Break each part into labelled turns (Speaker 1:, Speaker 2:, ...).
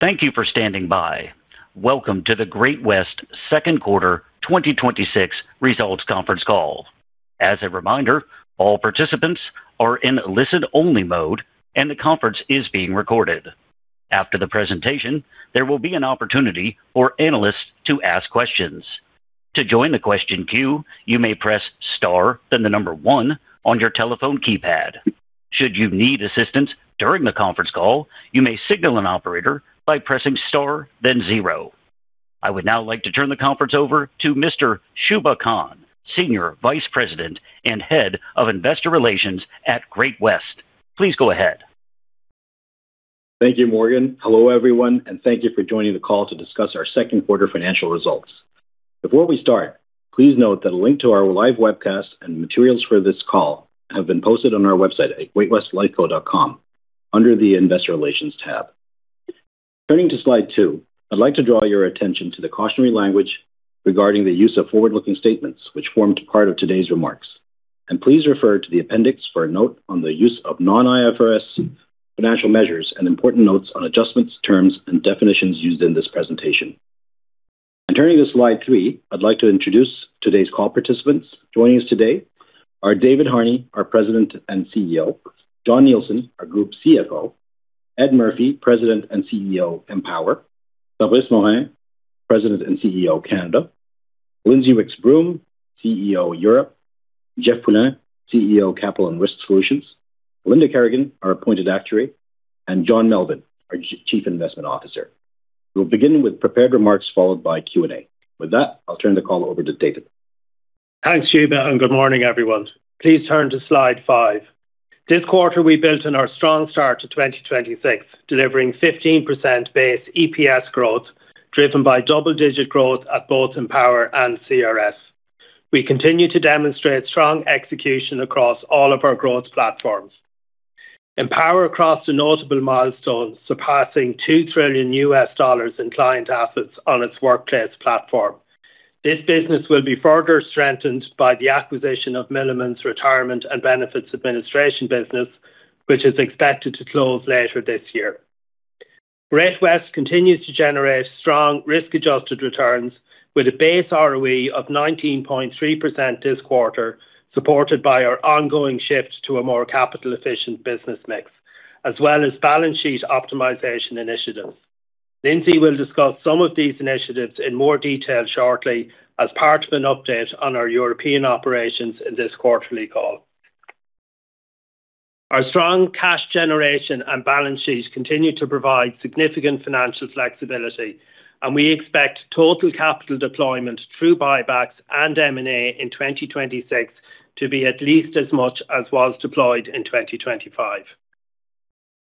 Speaker 1: Thank you for standing by. Welcome to the Great-West Second Quarter 2026 Results Conference Call. As a reminder, all participants are in listen only mode and the conference is being recorded. After the presentation, there will be an opportunity for analysts to ask questions. To join the question queue, you may press star then the number one on your telephone keypad. Should you need assistance during the conference call, you may signal an operator by pressing star then zero. I would now like to turn the conference over to Mr. Shubha Khan, Senior Vice President and Head of Investor Relations at Great-West. Please go ahead.
Speaker 2: Thank you, Morgan. Hello everyone, thank you for joining the call to discuss our second quarter financial results. Before we start, please note that a link to our live webcast and materials for this call have been posted on our website at greatwestlifeco.com under the Investor Relations tab. Turning to slide two, I'd like to draw your attention to the cautionary language regarding the use of forward-looking statements which formed part of today's remarks, please refer to the appendix for a note on the use of non-IFRS financial measures and important notes on adjustments, terms, and definitions used in this presentation. Turning to slide three, I'd like to introduce today's call participants. Joining us today are David Harney, our President and CEO, Jon Nielsen, our Group CFO, Ed Murphy, President and CEO, Empower, Fabrice Morin, President and CEO, Canada, Lindsey Rix-Broom, CEO, Europe, Jeff Poulin, CEO, Capital and Risk Solutions, Linda Kerrigan, our Appointed Actuary, and John Melvin, our Chief Investment Officer. We'll begin with prepared remarks followed by Q&A. With that, I'll turn the call over to David.
Speaker 3: Thanks, Shubha, good morning, everyone. Please turn to slide five. This quarter, we built on our strong start to 2026, delivering 15% base EPS growth, driven by double-digit growth at both Empower and CRS. We continue to demonstrate strong execution across all of our growth platforms. Empower crossed a notable milestone, surpassing $2 trillion in client assets on its workplace platform. This business will be further strengthened by the acquisition of Milliman's Retirement and Benefits Administration business, which is expected to close later this year. Great-West continues to generate strong risk-adjusted returns with a base ROE of 19.3% this quarter, supported by our ongoing shift to a more capital-efficient business mix, as well as balance sheet optimization initiatives. Lindsey will discuss some of these initiatives in more detail shortly as part of an update on our European operations in this quarterly call. Our strong cash generation and balance sheet continue to provide significant financial flexibility. We expect total capital deployment through buybacks and M&A in 2026 to be at least as much as was deployed in 2025.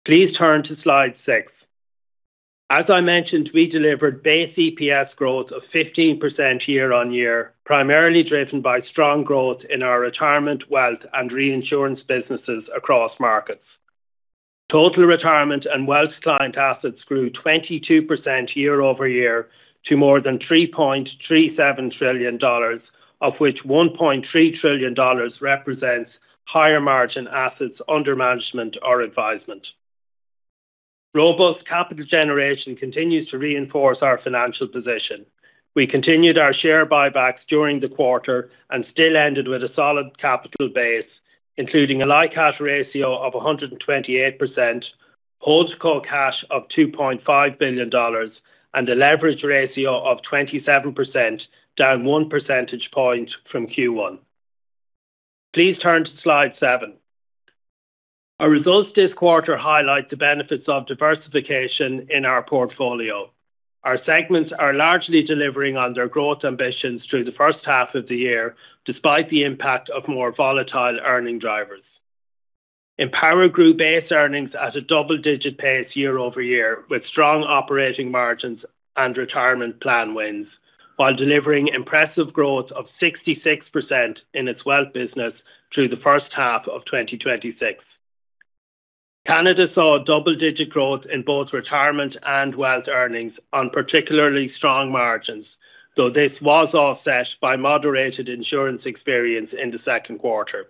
Speaker 3: Please turn to slide six. As I mentioned, we delivered base EPS growth of 15% year-over-year, primarily driven by strong growth in our retirement, wealth, and reinsurance businesses across markets. Total retirement and wealth client assets grew 22% year-over-year to more than 3.37 trillion dollars, of which 1.3 trillion dollars represents higher margin assets under management or advisement. Robust capital generation continues to reinforce our financial position. We continued our share buybacks during the quarter and still ended with a solid capital base, including a high cash ratio of 128%, HoldCo cash of 2.5 billion dollars, and a leverage ratio of 27%, down 1 percentage point from Q1. Please turn to slide seven. Our results this quarter highlight the benefits of diversification in our portfolio. Our segments are largely delivering on their growth ambitions through the first half of the year, despite the impact of more volatile earning drivers. Empower grew base earnings at a double-digit pace year-over-year, with strong operating margins and retirement plan wins, while delivering impressive growth of 66% in its wealth business through the first half of 2026. Canada saw double-digit growth in both retirement and wealth earnings on particularly strong margins, though this was offset by moderated insurance experience in the second quarter.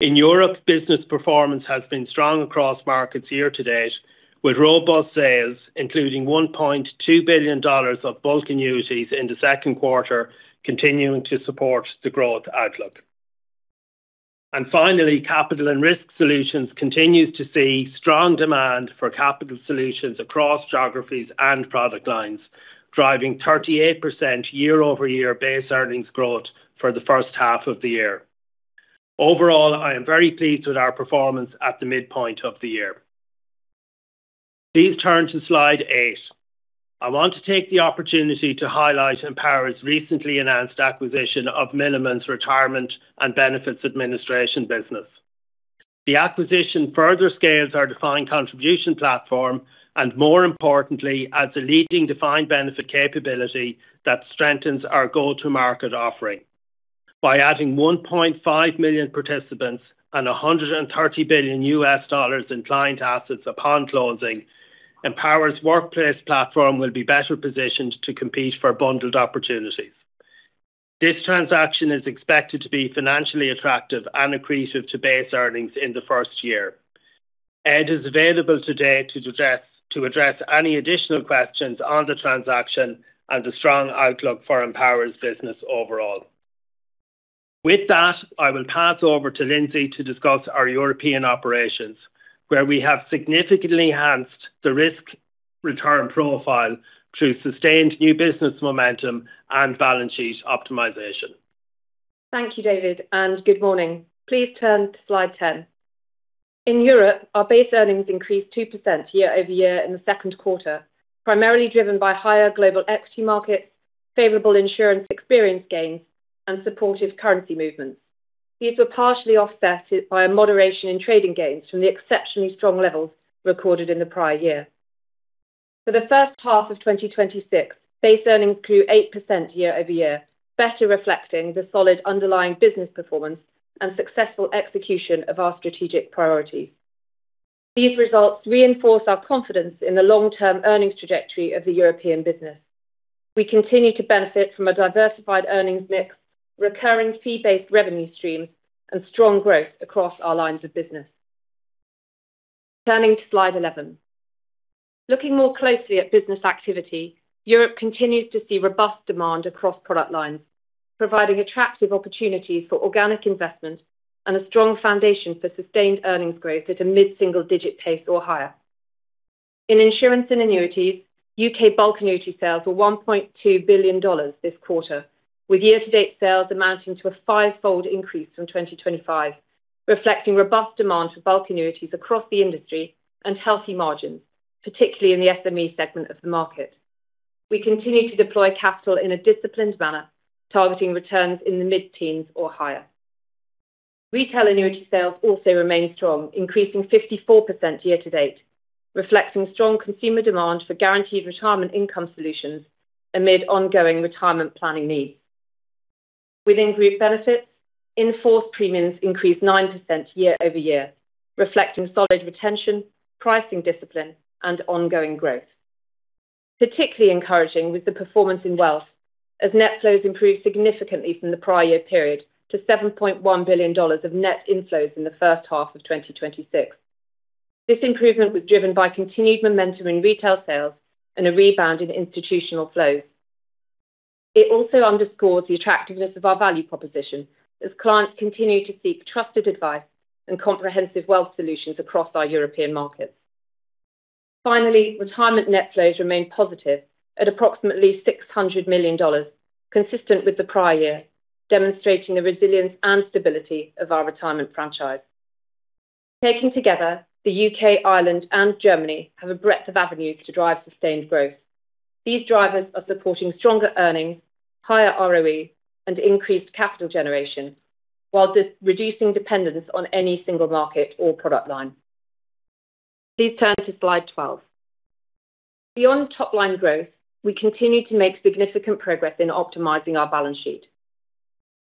Speaker 3: In Europe, business performance has been strong across markets year to date, with robust sales including 1.2 billion dollars of bulk annuities in the second quarter continuing to support the growth outlook. Finally, Capital and Risk Solutions continues to see strong demand for capital solutions across geographies and product lines, driving 38% year-over-year base earnings growth for the first half of the year. Overall, I am very pleased with our performance at the midpoint of the year. Please turn to slide eight. I want to take the opportunity to highlight Empower's recently announced acquisition of Milliman's Retirement and Benefits Administration business. The acquisition further scales our defined contribution platform, and more importantly, adds a leading defined benefit capability that strengthens our go-to market offering. By adding 1.5 million participants and $130 billion in client assets upon closing, Empower's workplace platform will be better positioned to compete for bundled opportunities This transaction is expected to be financially attractive and accretive to base earnings in the first year. Ed is available today to address any additional questions on the transaction and the strong outlook for Empower's business overall. With that, I will pass over to Lindsey to discuss our European operations, where we have significantly enhanced the risk-return profile through sustained new business momentum and balance sheet optimization.
Speaker 4: Thank you, David, and good morning. Please turn to slide 10. In Europe, our base earnings increased 2% year-over-year in the second quarter, primarily driven by higher global equity markets, favorable insurance experience gains, and supportive currency movements. These were partially offset by a moderation in trading gains from the exceptionally strong levels recorded in the prior year. For the first half of 2026, base earnings grew 8% year-over-year, better reflecting the solid underlying business performance and successful execution of our strategic priorities. These results reinforce our confidence in the long-term earnings trajectory of the European business. We continue to benefit from a diversified earnings mix, recurring fee-based revenue streams, and strong growth across our lines of business. Turning to slide 11. Looking more closely at business activity, Europe continues to see robust demand across product lines, providing attractive opportunities for organic investment and a strong foundation for sustained earnings growth at a mid-single digit pace or higher. In insurance and annuities, U.K. bulk annuity sales were 1.2 billion dollars this quarter, with year-to-date sales amounting to a five-fold increase from 2025, reflecting robust demand for bulk annuities across the industry and healthy margins, particularly in the SME segment of the market. We continue to deploy capital in a disciplined manner, targeting returns in the mid-teens or higher. Retail annuity sales also remain strong, increasing 54% year-to-date, reflecting strong consumer demand for guaranteed retirement income solutions amid ongoing retirement planning needs. Within group benefits, in-force premiums increased 9% year-over-year, reflecting solid retention, pricing discipline, and ongoing growth. Particularly encouraging was the performance in wealth, as net flows improved significantly from the prior year period to 7.1 billion dollars of net inflows in the first half of 2026. This improvement was driven by continued momentum in retail sales and a rebound in institutional flows. It also underscores the attractiveness of our value proposition as clients continue to seek trusted advice and comprehensive wealth solutions across our European markets. Finally, retirement net flows remained positive at approximately 600 million dollars, consistent with the prior year, demonstrating the resilience and stability of our retirement franchise. Taken together, the U.K., Ireland, and Germany have a breadth of avenues to drive sustained growth. These drivers are supporting stronger earnings, higher ROE, and increased capital generation while reducing dependence on any single market or product line. Please turn to slide 12. Beyond top-line growth, we continue to make significant progress in optimizing our balance sheet.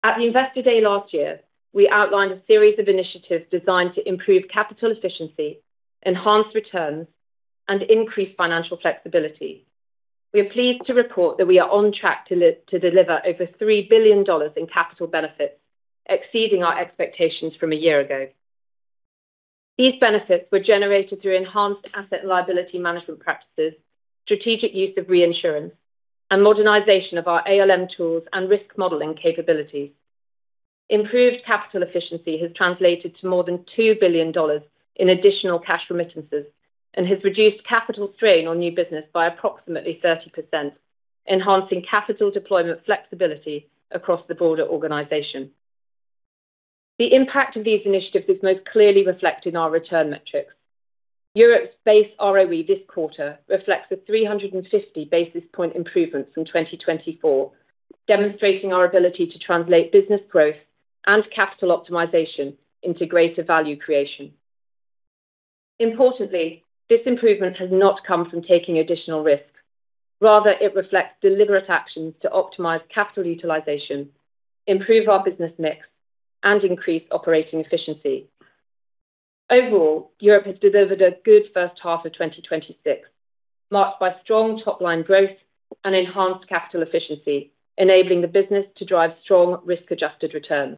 Speaker 4: At the Investor Day last year, we outlined a series of initiatives designed to improve capital efficiency, enhance returns, and increase financial flexibility. We are pleased to report that we are on track to deliver over 3 billion dollars in capital benefits, exceeding our expectations from a year ago. These benefits were generated through enhanced asset liability management practices, strategic use of reinsurance, and modernization of our ALM tools and risk modeling capabilities. Improved capital efficiency has translated to more than 2 billion dollars in additional cash remittances and has reduced capital strain on new business by approximately 30%, enhancing capital deployment flexibility across the broader organization. The impact of these initiatives is most clearly reflected in our return metrics. Europe's base ROE this quarter reflects a 350 basis point improvement from 2024, demonstrating our ability to translate business growth and capital optimization into greater value creation. Importantly, this improvement has not come from taking additional risk. Rather, it reflects deliberate actions to optimize capital utilization, improve our business mix, and increase operating efficiency. Overall, Europe has delivered a good first half of 2026, marked by strong top-line growth and enhanced capital efficiency, enabling the business to drive strong risk-adjusted returns.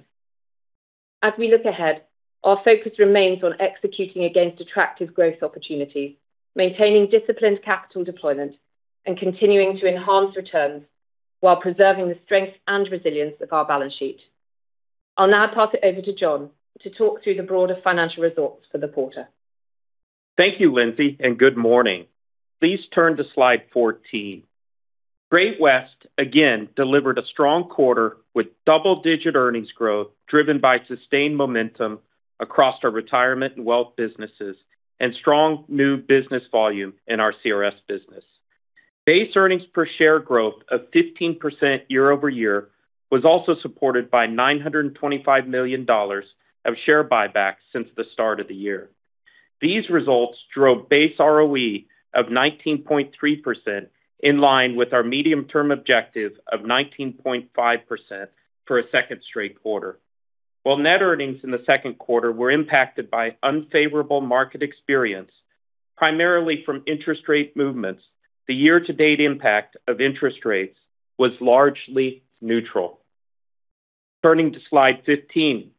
Speaker 4: As we look ahead, our focus remains on executing against attractive growth opportunities, maintaining disciplined capital deployment, and continuing to enhance returns while preserving the strength and resilience of our balance sheet. I'll now pass it over to Jon to talk through the broader financial results for the quarter.
Speaker 5: Thank you, Lindsey, and good morning. Please turn to slide 14. Great-West again delivered a strong quarter with double-digit earnings growth driven by sustained momentum across our retirement and wealth businesses and strong new business volume in our CRS business. Base earnings per share growth of 15% year-over-year was also supported by 925 million dollars of share buybacks since the start of the year. These results drove base ROE of 19.3%, in line with our medium-term objective of 19.5% for a second straight quarter. While net earnings in the second quarter were impacted by unfavorable market experience. Primarily from interest rate movements, the year-to-date impact of interest rates was largely neutral. Turning to slide 15.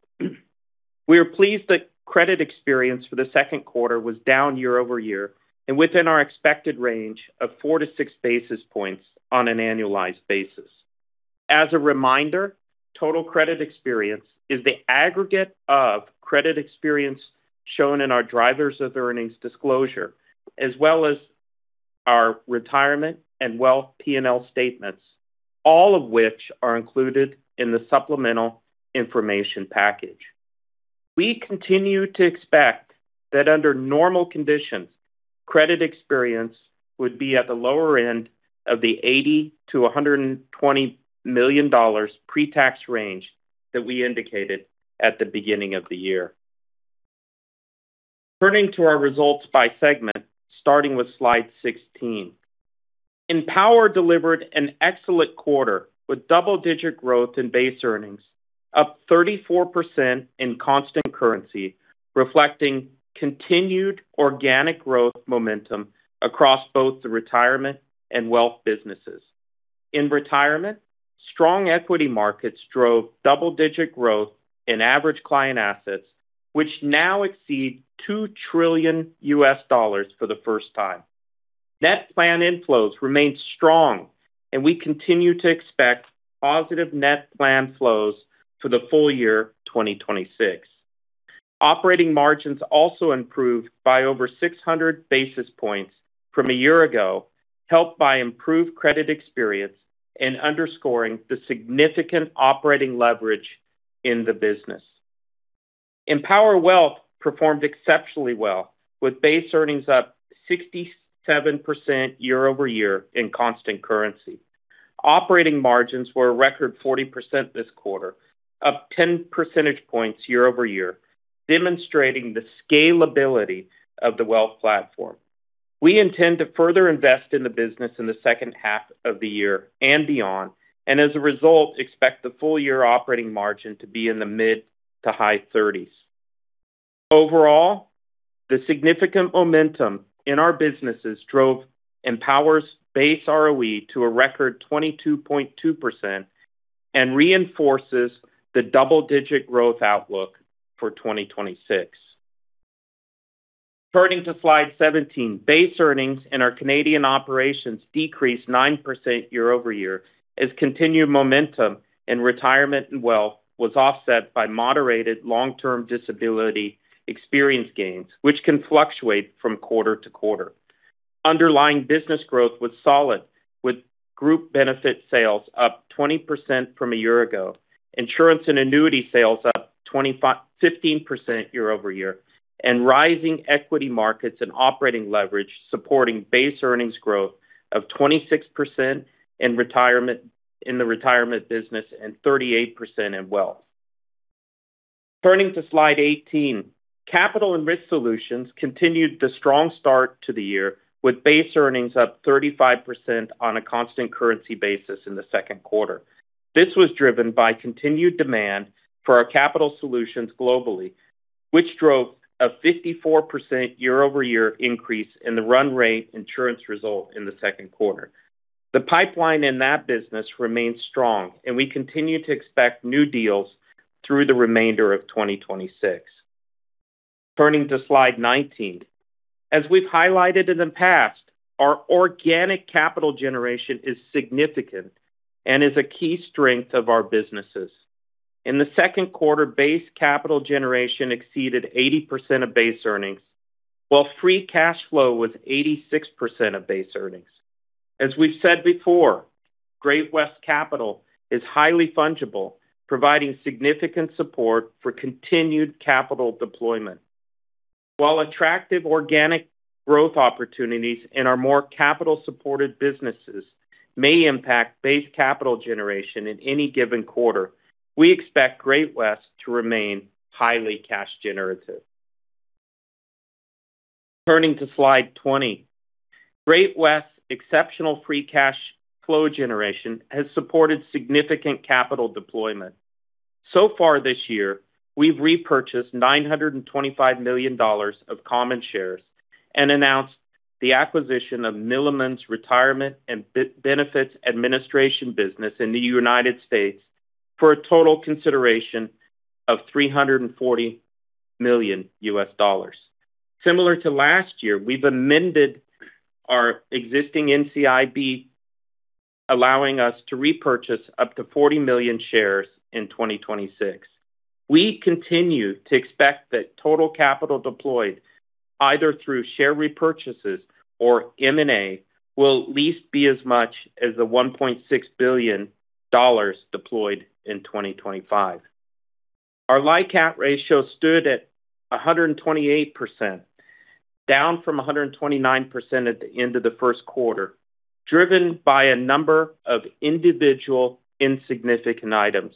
Speaker 5: We are pleased that credit experience for the second quarter was down year-over-year and within our expected range of 4-6 basis points on an annualized basis. As a reminder, total credit experience is the aggregate of credit experience shown in our drivers of earnings disclosure, as well as our retirement and wealth P&L statements, all of which are included in the supplemental information package. We continue to expect that under normal conditions, credit experience would be at the lower end of the 80 million-120 million dollars pre-tax range that we indicated at the beginning of the year. Turning to our results by segment, starting with slide 16. Empower delivered an excellent quarter with double-digit growth in base earnings, up 34% in constant currency, reflecting continued organic growth momentum across both the retirement and wealth businesses. In retirement, strong equity markets drove double-digit growth in average client assets, which now exceed $2 trillion for the first time. Net plan inflows remain strong, and we continue to expect positive net plan flows for the full year 2026. Operating margins also improved by over 600 basis points from a year ago, helped by improved credit experience and underscoring the significant operating leverage in the business. Empower Wealth performed exceptionally well, with base earnings up 67% year-over-year in constant currency. Operating margins were a record 40% this quarter, up 10 percentage points year-over-year, demonstrating the scalability of the wealth platform. We intend to further invest in the business in the second half of the year and beyond, as a result, expect the full-year operating margin to be in the mid-to-high 30s. Overall, the significant momentum in our businesses drove Empower's base ROE to a record 22.2% and reinforces the double-digit growth outlook for 2026. Turning to slide 17. Base earnings in our Canadian operations decreased 9% year-over-year as continued momentum in retirement and wealth was offset by moderated long-term disability experience gains, which can fluctuate from quarter-to-quarter. Underlying business growth was solid with group benefit sales up 20% from a year ago, insurance and annuity sales up 15% year-over-year, and rising equity markets and operating leverage supporting base earnings growth of 26% in the retirement business and 38% in wealth. Turning to slide 18. Capital and Risk Solutions continued the strong start to the year with base earnings up 35% on a constant currency basis in the second quarter. This was driven by continued demand for our capital solutions globally, which drove a 54% year-over-year increase in the run rate insurance result in the second quarter. The pipeline in that business remains strong, we continue to expect new deals through the remainder of 2026. Turning to slide 19. We've highlighted in the past, our organic capital generation is significant and is a key strength of our businesses. In the second quarter, base capital generation exceeded 80% of base earnings, while free cash flow was 86% of base earnings. We've said before, Great-West capital is highly fungible, providing significant support for continued capital deployment. While attractive organic growth opportunities in our more capital-supported businesses may impact base capital generation in any given quarter, we expect Great-West to remain highly cash generative. Turning to slide 20. Great-West's exceptional free cash flow generation has supported significant capital deployment. Far this year, we've repurchased 925 million dollars of common shares and announced the acquisition of Milliman's Retirement and Benefits Administration business in the United States for a total consideration of $340 million. Similar to last year, we've amended our existing NCIB, allowing us to repurchase up to 40 million shares in 2026. We continue to expect that total capital deployed, either through share repurchases or M&A, will at least be as much as the 1.6 billion dollars deployed in 2025. Our LICAT ratio stood at 128%, down from 129% at the end of the first quarter, driven by a number of individual insignificant items.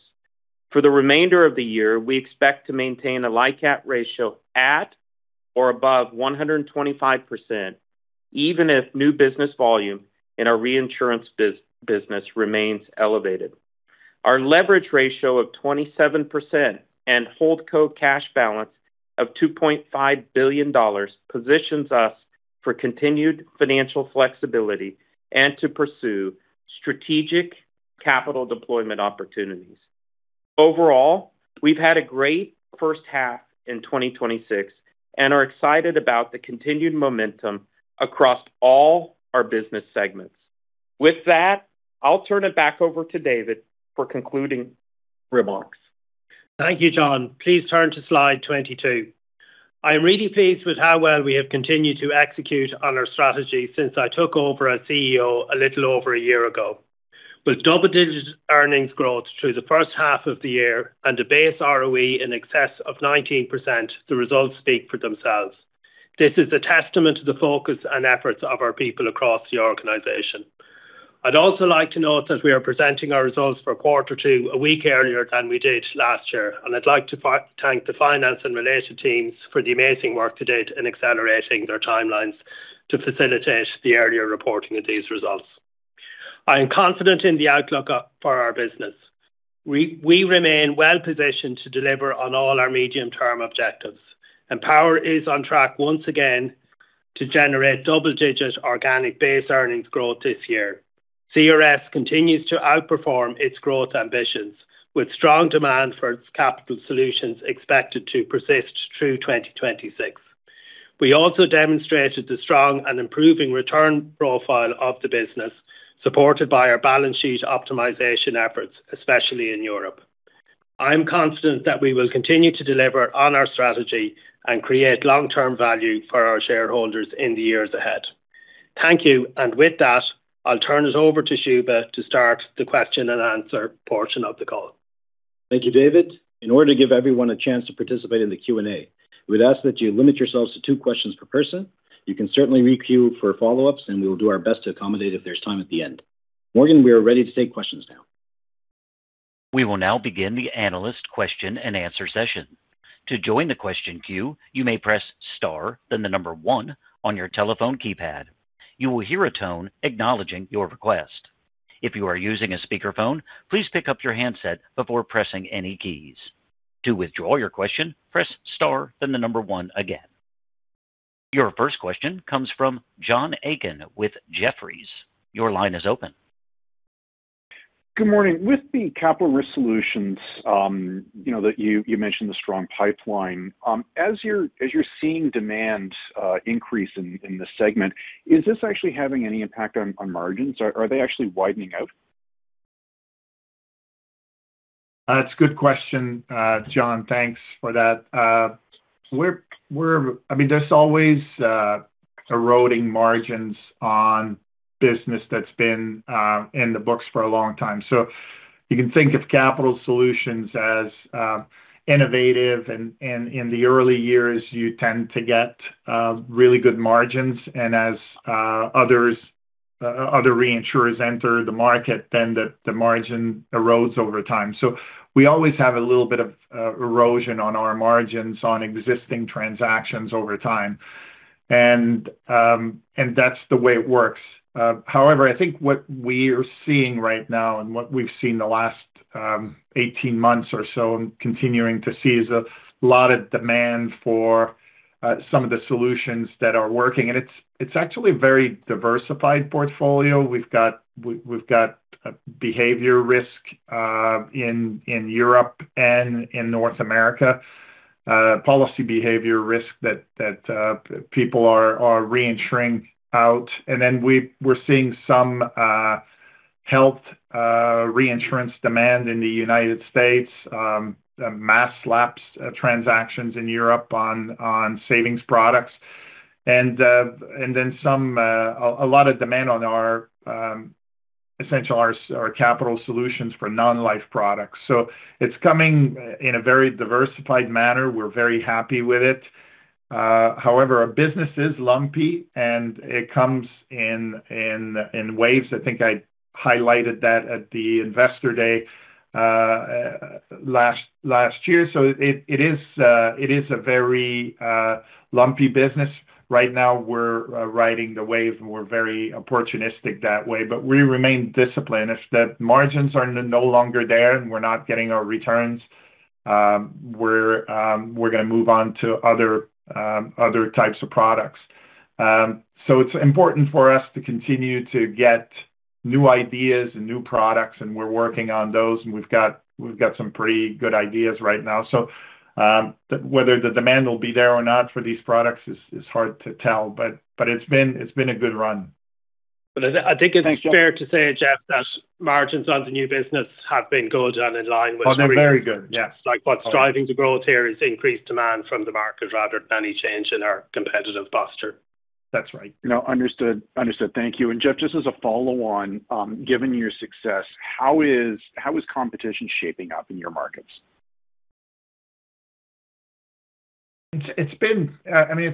Speaker 5: For the remainder of the year, we expect to maintain a LICAT ratio at or above 125%, even if new business volume in our reinsurance business remains elevated. Our leverage ratio of 27% and HoldCo cash balance of 2.5 billion dollars positions us for continued financial flexibility and to pursue strategic capital deployment opportunities. Overall, we've had a great first half in 2026 and are excited about the continued momentum across all our business segments. With that, I'll turn it back over to David for concluding remarks.
Speaker 3: Thank you, Jon. Please turn to slide 22. I'm really pleased with how well we have continued to execute on our strategy since I took over as CEO a little over a year ago. With double-digit earnings growth through the first half of the year and a base ROE in excess of 19%, the results speak for themselves. This is a testament to the focus and efforts of our people across the organization. I'd also like to note that we are presenting our results for quarter two a week earlier than we did last year. I'd like to thank the finance and related teams for the amazing work they did in accelerating their timelines to facilitate the earlier reporting of these results. I am confident in the outlook for our business. We remain well-positioned to deliver on all our medium-term objectives. Empower is on track once again to generate double-digit organic base earnings growth this year. CRS continues to outperform its growth ambitions with strong demand for its capital solutions expected to persist through 2026. We also demonstrated the strong and improving return profile of the business, supported by our balance sheet optimization efforts, especially in Europe. I'm confident that we will continue to deliver on our strategy and create long-term value for our shareholders in the years ahead. Thank you. With that, I'll turn it over to Shubha to start the question and answer portion of the call.
Speaker 2: Thank you, David. In order to give everyone a chance to participate in the Q&A, we'd ask that you limit yourselves to two questions per person. You can certainly re-queue for follow-ups, and we will do our best to accommodate if there's time at the end. Morgan, we are ready to take questions now.
Speaker 1: We will now begin the analyst question and answer session. To join the question queue, you may press star, then the number one on your telephone keypad. You will hear a tone acknowledging your request. If you are using a speakerphone, please pick up your handset before pressing any keys. To withdraw your question, press star, then the number one again. Your first question comes from John Aiken with Jefferies. Your line is open.
Speaker 6: Good morning. With the Capital Risk Solutions, you mentioned the strong pipeline. As you're seeing demand increase in this segment, is this actually having any impact on margins? Are they actually widening out?
Speaker 7: That's a good question, John. Thanks for that. There's always eroding margins on business that's been in the books for a long time. You can think of Capital Solutions as innovative, and in the early years, you tend to get really good margins. As other reinsurers enter the market, then the margin erodes over time. We always have a little bit of erosion on our margins on existing transactions over time. That's the way it works. However, I think what we are seeing right now and what we've seen the last 18 months or so, and continuing to see, is a lot of demand for some of the solutions that are working. It's actually a very diversified portfolio. We've got behavior risk in Europe and in North America. Policy behavior risk that people are reinsuring out. We're seeing some health reinsurance demand in the United States, mass lapse transactions in Europe on savings products. A lot of demand on our Capital Solutions for non-life products. It's coming in a very diversified manner. We're very happy with it. However, our business is lumpy, and it comes in waves. I think I highlighted that at the investor day last year. It is a very lumpy business. Right now, we're riding the wave, and we're very opportunistic that way, but we remain disciplined. If the margins are no longer there and we're not getting our returns, we're going to move on to other types of products. It's important for us to continue to get new ideas and new products, and we're working on those, and we've got some pretty good ideas right now. Whether the demand will be there or not for these products is hard to tell, but it's been a good run.
Speaker 3: I think it's fair to say, Jeff, that margins on the new business have been good and in line with.
Speaker 7: They're very good. Yes.
Speaker 3: Like what's driving the growth here is increased demand from the market rather than any change in our competitive posture.
Speaker 7: That's right.
Speaker 6: Understood. Thank you. Jeff, just as a follow on, given your success, how is competition shaping up in your markets?
Speaker 7: It's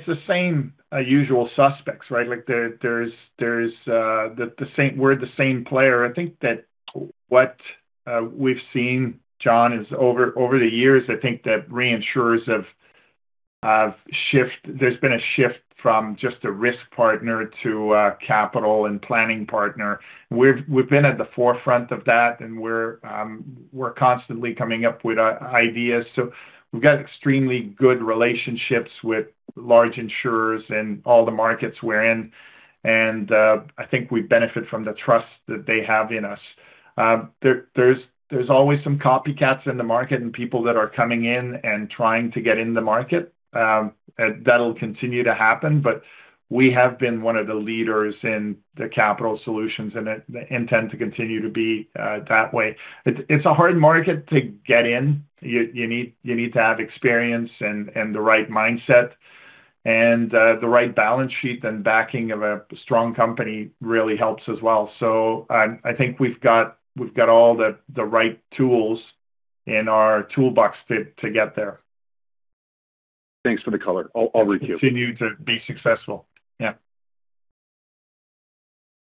Speaker 7: the same usual suspects, right? We're the same player. I think that what we've seen, John, is over the years, I think that There's been a shift from just a risk partner to a capital and planning partner. We've been at the forefront of that, we're constantly coming up with ideas. We've got extremely good relationships with large insurers in all the markets we're in, I think we benefit from the trust that they have in us. There's always some copycats in the market and people that are coming in and trying to get in the market. That'll continue to happen, we have been one of the leaders in the capital solutions and intend to continue to be that way. It's a hard market to get in. You need to have experience and the right mindset, and the right balance sheet and backing of a strong company really helps as well. I think we've got all the right tools in our toolbox to get there.
Speaker 6: Thanks for the color. I'll rep you.
Speaker 7: Continue to be successful. Yeah.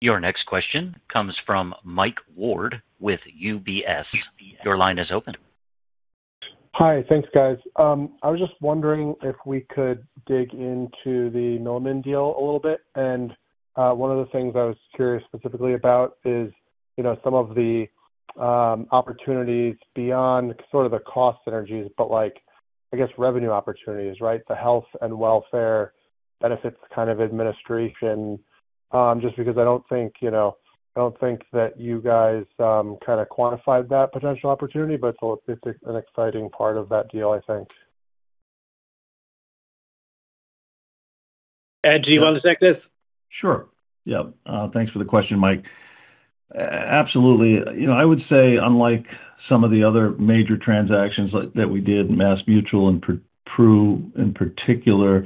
Speaker 1: Your next question comes from Mike Ward with UBS. Your line is open.
Speaker 8: Hi. Thanks, guys. I was just wondering if we could dig into the Milliman deal a little bit, and one of the things I was curious specifically about is some of the opportunities beyond sort of the cost synergies, but I guess revenue opportunities, right? The health and welfare benefits kind of administration, just because I don't think that you guys kind of quantified that potential opportunity, but it's an exciting part of that deal, I think.
Speaker 3: Ed, do you want to take this?
Speaker 9: Sure. Yeah. Thanks for the question, Mike. Absolutely. I would say unlike some of the other major transactions that we did, MassMutual and Pru in particular,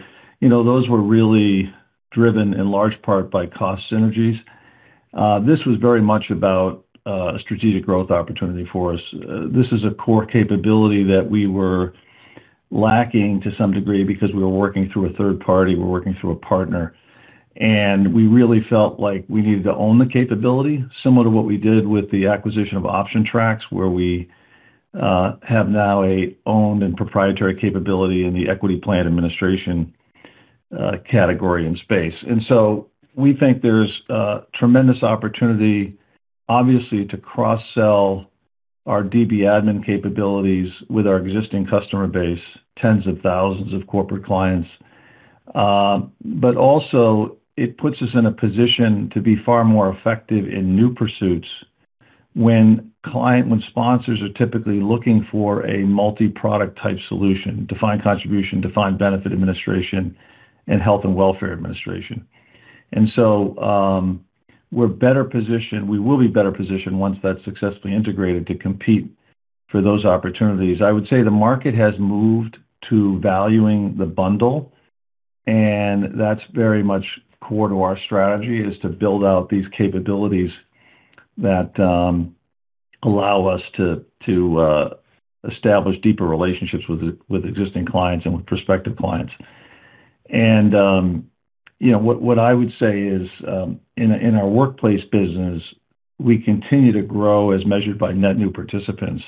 Speaker 9: those were really driven in large part by cost synergies. This was very much about a strategic growth opportunity for us. This is a core capability that we were lacking to some degree because we were working through a third party, we were working through a partner, and we really felt like we needed to own the capability, similar to what we did with the acquisition of OptionTrax, where we have now a owned and proprietary capability in the equity plan administration category and space. We think there's tremendous opportunity, obviously, to cross-sell our DB admin capabilities with our existing customer base, tens of thousands of corporate clients. Also it puts us in a position to be far more effective in new pursuits when sponsors are typically looking for a multi-product type solution, defined contribution, defined benefit administration, and health and welfare administration. We're better positioned, we will be better positioned once that's successfully integrated to compete for those opportunities. I would say the market has moved to valuing the bundle, and that's very much core to our strategy is to build out these capabilities that allow us to establish deeper relationships with existing clients and with prospective clients. What I would say is in our workplace business, we continue to grow as measured by net new participants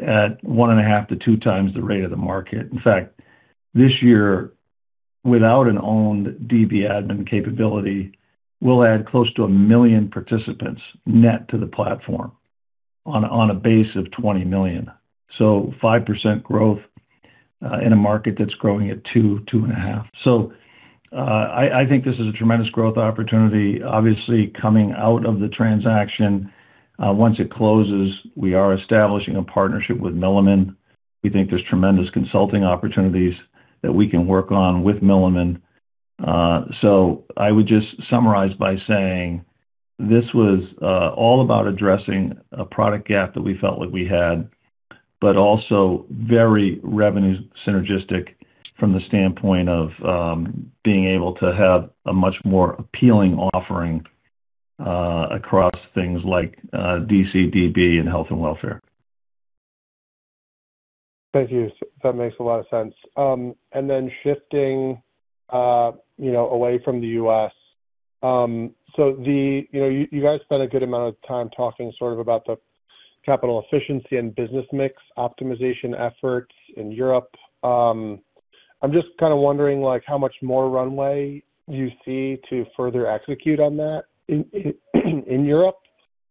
Speaker 9: at 1.5x to 2x the rate of the market. In fact, this year, without an owned DB admin capability, we'll add close to 1 million participants net to the platform on a base of 20 million. 5% growth in a market that's growing at 2%, 2.5%. I think this is a tremendous growth opportunity. Obviously, coming out of the transaction, once it closes, we are establishing a partnership with Milliman. We think there's tremendous consulting opportunities that we can work on with Milliman. I would just summarize by saying this was all about addressing a product gap that we felt like we had, also very revenue synergistic from the standpoint of being able to have a much more appealing offering across things like DC, DB, and health and welfare.
Speaker 8: Thank you. That makes a lot of sense. Shifting away from the U.S. You guys spent a good amount of time talking sort of about the capital efficiency and business mix optimization efforts in Europe. I'm just kind of wondering how much more runway you see to further execute on that in Europe,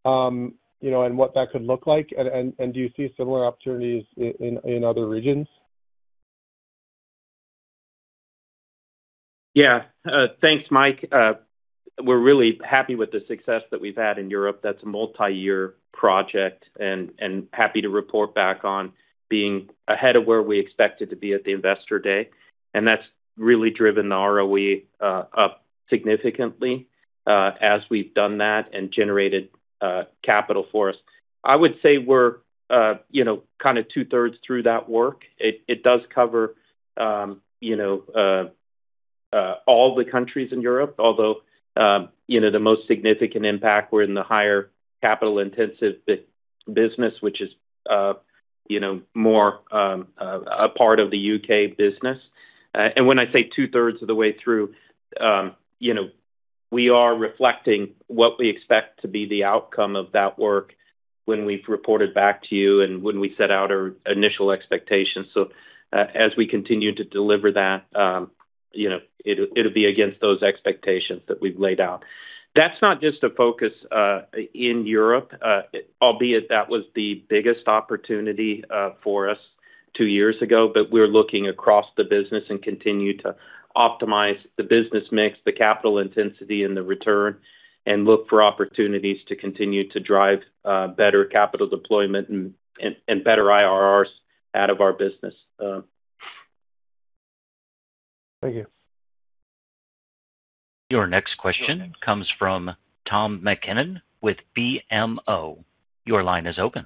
Speaker 8: and what that could look like, and do you see similar opportunities in other regions?
Speaker 5: Thanks, Mike. We're really happy with the success that we've had in Europe. That's a multi-year project, and happy to report back on being ahead of where we expected to be at the Investor Day. That's really driven the ROE up significantly as we've done that and generated capital for us. I would say we're kind of 2/3 through that work. It does cover all the countries in Europe, although the most significant impact were in the higher capital intensive business, which is more a part of the U.K. business. When I say two-thirds of the way through, we are reflecting what we expect to be the outcome of that work when we've reported back to you and when we set out our initial expectations. As we continue to deliver that, it'll be against those expectations that we've laid out. That's not just a focus in Europe. Albeit that was the biggest opportunity for us two years ago, but we're looking across the business and continue to optimize the business mix, the capital intensity, and the return, and look for opportunities to continue to drive better capital deployment and better IRRs out of our business.
Speaker 8: Thank you.
Speaker 1: Your next question comes from Tom MacKinnon with BMO. Your line is open.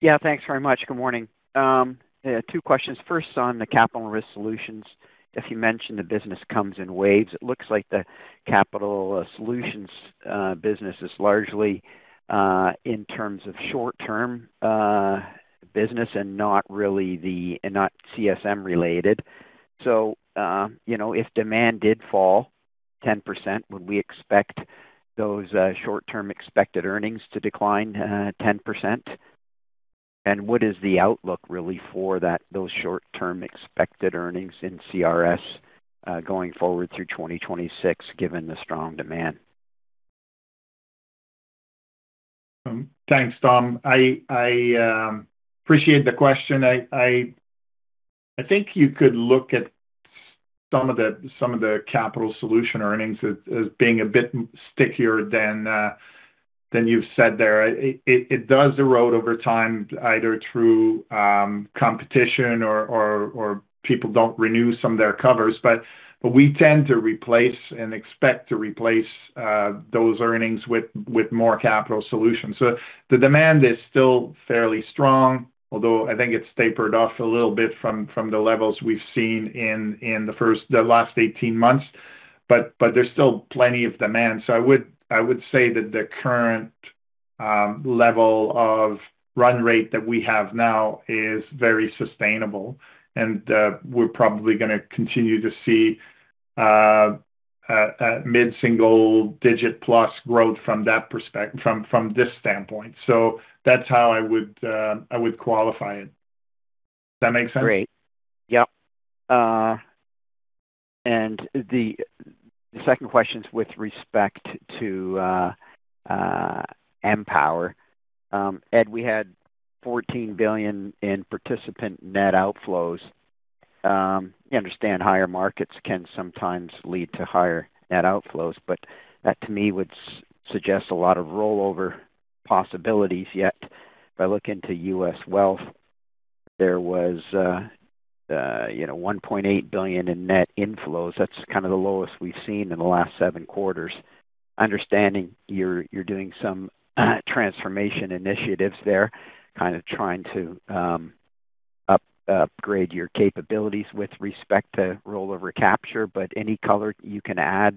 Speaker 10: Yeah, thanks very much. Good morning. Two questions. First, on the Capital and Risk Solutions. If you mentioned the business comes in waves, it looks like the capital solutions business is largely in terms of short-term business and not CSM related. If demand did fall 10%, would we expect those short-term expected earnings to decline 10%? What is the outlook really for those short-term expected earnings in CRS, going forward through 2026, given the strong demand?
Speaker 7: Thanks, Tom. I appreciate the question. I think you could look at some of the capital solution earnings as being a bit stickier than you've said there. It does erode over time, either through competition or people don't renew some of their covers. We tend to replace and expect to replace those earnings with more capital solutions. The demand is still fairly strong, although I think it's tapered off a little bit from the levels we've seen in the last 18 months. There's still plenty of demand. I would say that the current level of run rate that we have now is very sustainable, and we're probably going to continue to see mid-single digit plus growth from this standpoint. That's how I would qualify it. Does that make sense?
Speaker 10: Great. Yep. The second question's with respect to Empower. Ed, we had $14 billion in participant net outflows. You understand higher markets can sometimes lead to higher net outflows, but that to me would suggest a lot of rollover possibilities, yet if I look into U.S. Wealth, there was $1.8 billion in net inflows. That's kind of the lowest we've seen in the last seven quarters. Understanding you're doing some transformation initiatives there, kind of trying to upgrade your capabilities with respect to rollover capture, but any color you can add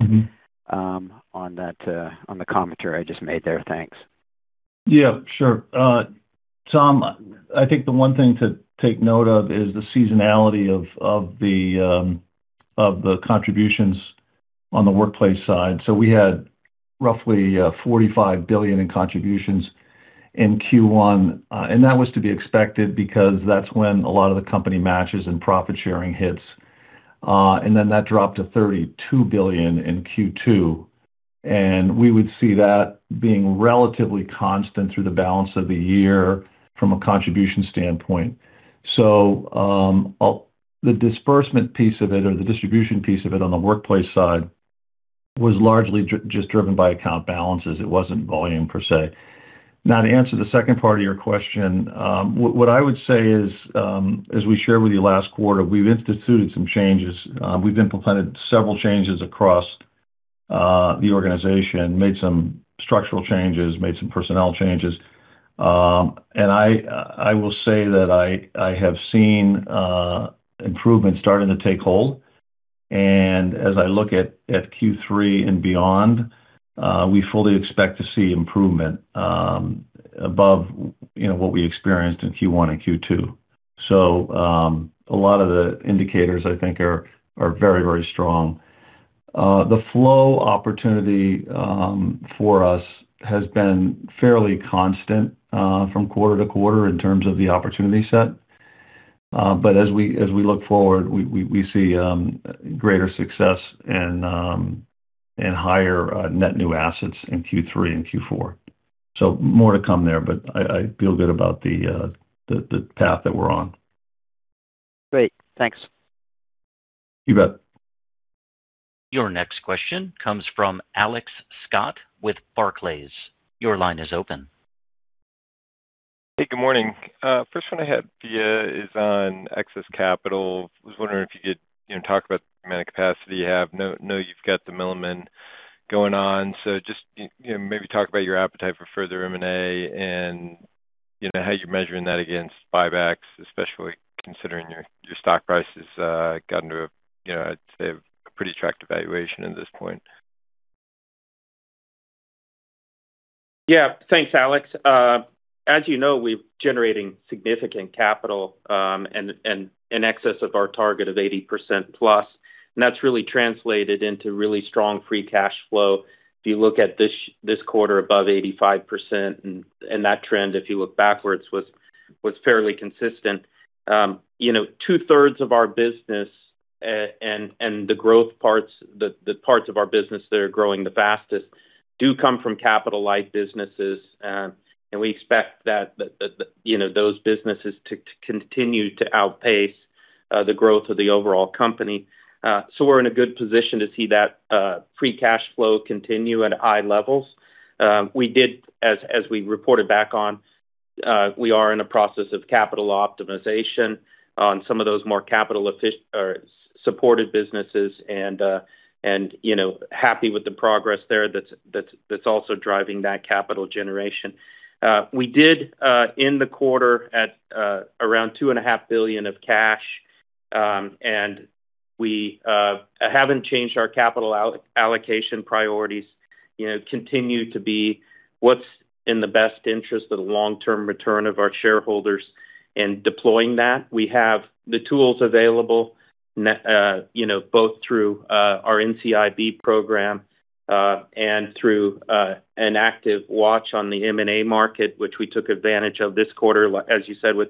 Speaker 10: on the commentary I just made there? Thanks.
Speaker 9: Yeah, sure. Tom, I think the one thing to take note of is the seasonality of the contributions on the workplace side. We had roughly 45 billion in contributions in Q1, and that was to be expected because that's when a lot of the company matches and profit-sharing hits. That dropped to 32 billion in Q2, and we would see that being relatively constant through the balance of the year from a contribution standpoint. The disbursement piece of it or the distribution piece of it on the workplace side was largely just driven by account balances. It wasn't volume per se. To answer the second part of your question, what I would say is, as we shared with you last quarter, we've instituted some changes. We've implemented several changes across the organization, made some structural changes, made some personnel changes. I will say that I have seen improvements starting to take hold. As I look at Q3 and beyond, we fully expect to see improvement above what we experienced in Q1 and Q2. A lot of the indicators I think are very strong. The flow opportunity for us has been fairly constant from quarter to quarter in terms of the opportunity set. As we look forward, we see greater success and higher net new assets in Q3 and Q4. More to come there, but I feel good about the path that we're on.
Speaker 10: Great. Thanks.
Speaker 9: You bet.
Speaker 1: Your next question comes from Alex Scott with Barclays. Your line is open.
Speaker 11: Hey, good morning. First one I had is on excess capital. I was wondering if you could talk about the amount of capacity you have. I know you've got the Milliman going on. Just maybe talk about your appetite for further M&A and how you're measuring that against buybacks, especially considering your stock price has gotten to a, I'd say, a pretty attractive valuation at this point.
Speaker 5: Yeah. Thanks, Alex. As you know, we're generating significant capital in excess of our target of 80%+, that's really translated into really strong free cash flow. If you look at this quarter above 85%, that trend, if you look backwards, was fairly consistent. 2/3 of our business and the growth parts, the parts of our business that are growing the fastest, do come from capital-light businesses. We expect those businesses to continue to outpace the growth of the overall company. We're in a good position to see that free cash flow continue at high levels. As we reported back on, we are in a process of capital optimization on some of those more capital-supported businesses, and happy with the progress there that's also driving that capital generation. We did end the quarter at around 2.5 billion of cash, we haven't changed our capital allocation priorities, continue to be what's in the best interest of the long-term return of our shareholders in deploying that. We have the tools available, both through our NCIB program, and through an active watch on the M&A market, which we took advantage of this quarter, as you said, with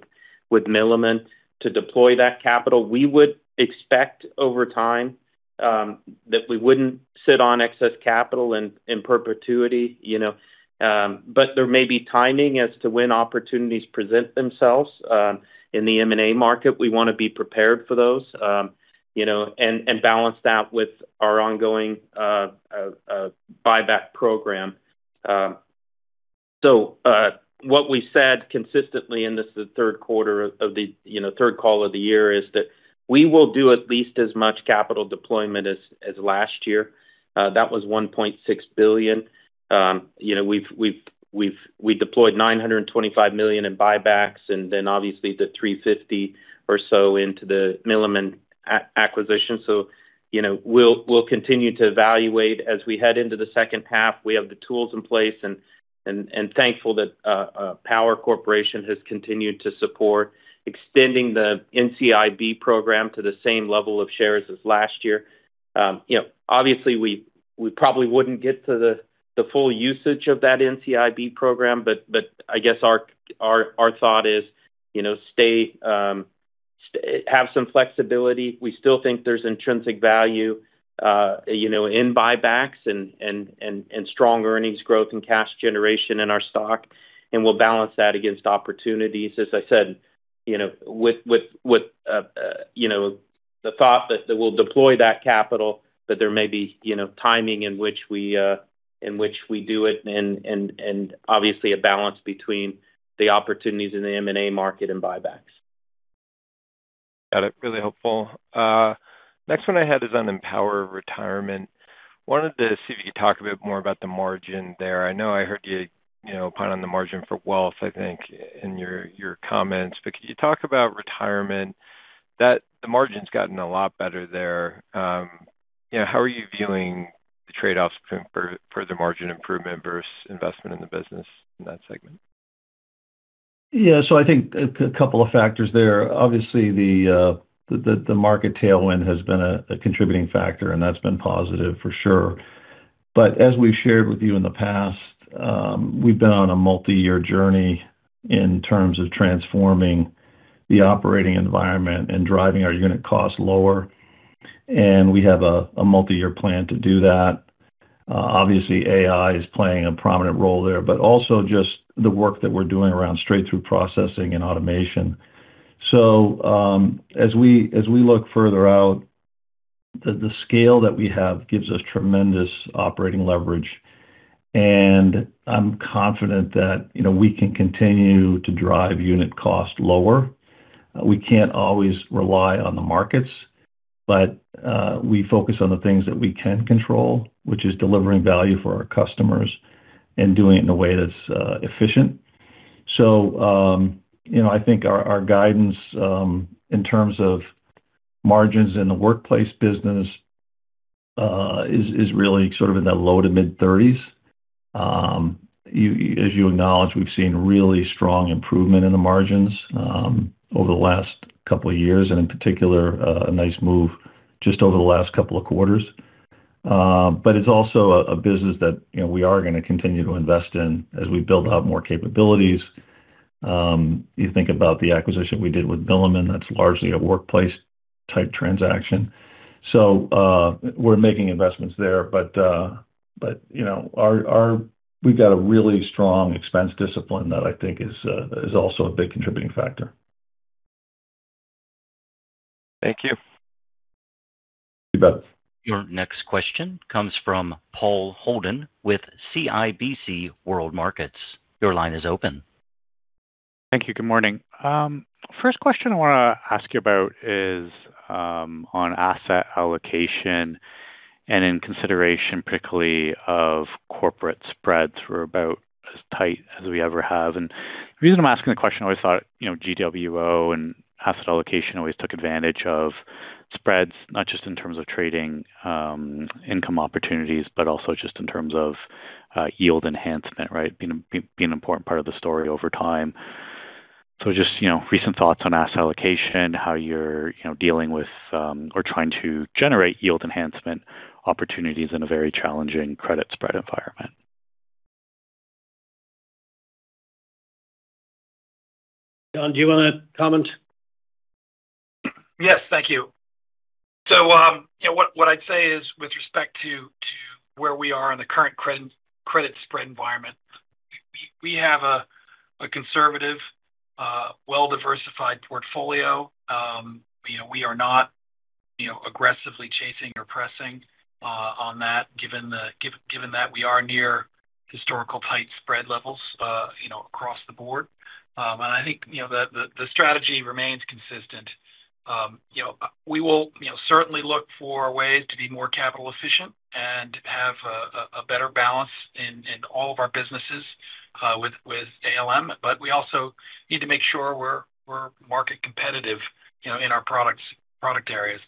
Speaker 5: Milliman to deploy that capital. We would expect over time, that we wouldn't sit on excess capital in perpetuity. There may be timing as to when opportunities present themselves in the M&A market. We want to be prepared for those, and balance that with our ongoing buyback program. What we said consistently, and this is the third call of the year, is that we will do at least as much capital deployment as last year. That was 1.6 billion. We deployed 925 million in buybacks and then obviously the 350 or so into the Milliman acquisition. We'll continue to evaluate as we head into the second half. We have the tools in place, and thankful that Power Corporation has continued to support extending the NCIB program to the same level of shares as last year. Obviously, we probably wouldn't get to the full usage of that NCIB program, but I guess our thought is have some flexibility. We still think there's intrinsic value in buybacks and strong earnings growth and cash generation in our stock, and we'll balance that against opportunities. As I said, with the thought that we'll deploy that capital, that there may be timing in which we do it, and obviously a balance between the opportunities in the M&A market and buybacks.
Speaker 11: Got it. Really helpful. Next one I had is on Empower Retirement. Wanted to see if you could talk a bit more about the margin there. I know I heard you opine on the margin for wealth, I think, in your comments. Could you talk about retirement? The margin's gotten a lot better there. How are you viewing the trade-offs for further margin improvement versus investment in the business in that segment?
Speaker 9: Yeah. I think a couple of factors there. Obviously, the market tailwind has been a contributing factor, and that's been positive for sure. As we've shared with you in the past, we've been on a multi-year journey in terms of transforming the operating environment and driving our unit cost lower, and we have a multi-year plan to do that. Obviously, AI is playing a prominent role there, but also just the work that we're doing around straight-through processing and automation. As we look further out, the scale that we have gives us tremendous operating leverage, and I'm confident that we can continue to drive unit cost lower. We can't always rely on the markets, but we focus on the things that we can control, which is delivering value for our customers and doing it in a way that's efficient. I think our guidance, in terms of margins in the workplace business, is really sort of in that low to mid-30%. As you acknowledge, we've seen really strong improvement in the margins over the last couple of years and in particular, a nice move just over the last couple of quarters. It's also a business that we are going to continue to invest in as we build out more capabilities. You think about the acquisition we did with Milliman, that's largely a workplace-type transaction. We're making investments there, but we've got a really strong expense discipline that I think is also a big contributing factor.
Speaker 11: Thank you.
Speaker 9: You bet.
Speaker 1: Your next question comes from Paul Holden with CIBC World Markets. Your line is open.
Speaker 12: Thank you. Good morning. First question I want to ask you about is on asset allocation and in consideration particularly of corporate spreads. We're about as tight as we ever have. The reason I'm asking the question, I always thought GWO and asset allocation always took advantage of spreads, not just in terms of trading income opportunities, but also just in terms of yield enhancement, right? Being an important part of the story over time. Just recent thoughts on asset allocation, how you're dealing with or trying to generate yield enhancement opportunities in a very challenging credit spread environment.
Speaker 3: John, do you want to comment?
Speaker 13: Yes. Thank you. What I'd say is with respect to where we are in the current credit spread environment, we have a conservative, well-diversified portfolio. We are not aggressively chasing or pressing on that given that we are near historical tight spread levels across the board. I think the strategy remains consistent. We will certainly look for ways to be more capital efficient and have a better balance in all of our businesses with ALM, but we also need to make sure we're market competitive in our product areas.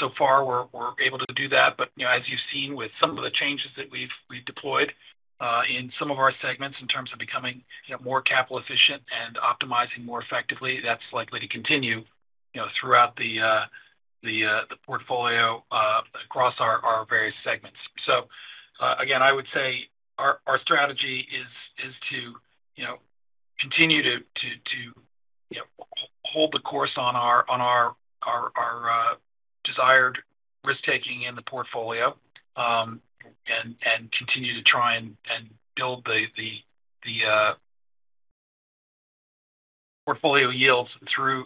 Speaker 13: So far we're able to do that. As you've seen with some of the changes that we've deployed in some of our segments in terms of becoming more capital efficient and optimizing more effectively, that's likely to continue throughout the portfolio across our various segments. Again, I would say our strategy is to continue to hold the course on our desired risk-taking in the portfolio, and continue to try and build the portfolio yields through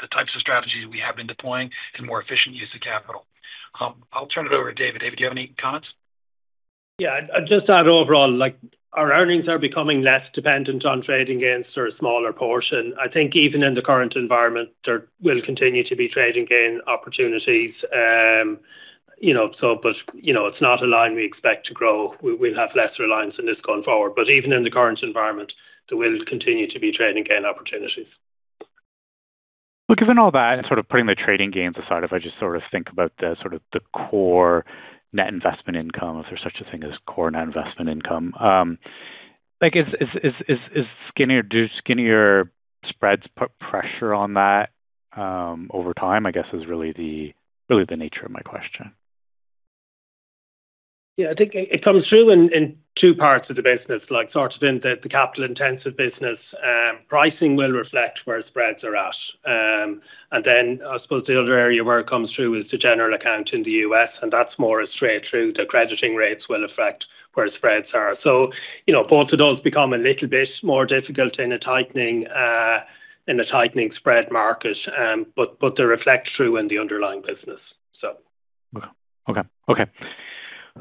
Speaker 13: the types of strategies we have been deploying and more efficient use of capital. I'll turn it over to David. David, do you have any comments?
Speaker 3: Yeah. I'd just add overall, our earnings are becoming less dependent on trading gains or a smaller portion. I think even in the current environment, there will continue to be trading gain opportunities. It's not a line we expect to grow. We'll have less reliance on this going forward. Even in the current environment, there will continue to be trading gain opportunities.
Speaker 12: Well, given all that and sort of putting the trading gains aside, if I just sort of think about the core net investment income, if there's such a thing as core net investment income. Do skinnier spreads put pressure on that over time, I guess, is really the nature of my question.
Speaker 3: Yeah, I think it comes through in two parts of the business. Like sort of in the capital-intensive business. Pricing will reflect where spreads are at. Then I suppose the other area where it comes through is the general account in the U.S., and that's more straight through the crediting rates will affect where spreads are. Both of those become a little bit more difficult in a tightening spread market. They reflect through in the underlying business.
Speaker 12: Okay.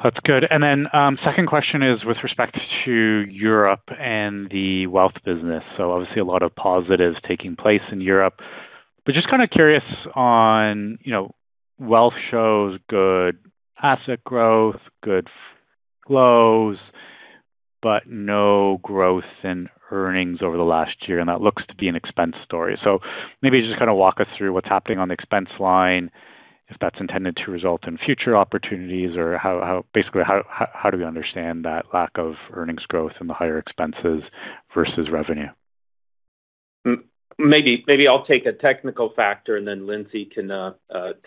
Speaker 12: That's good. Then second question is with respect to Europe and the wealth business. Obviously a lot of positives taking place in Europe. Just kind of curious on wealth shows good asset growth, good flows, but no growth in earnings over the last year, and that looks to be an expense story. Maybe just kind of walk us through what's happening on the expense line, if that's intended to result in future opportunities, or basically, how do we understand that lack of earnings growth and the higher expenses versus revenue?
Speaker 5: Maybe I'll take a technical factor and then Lindsey can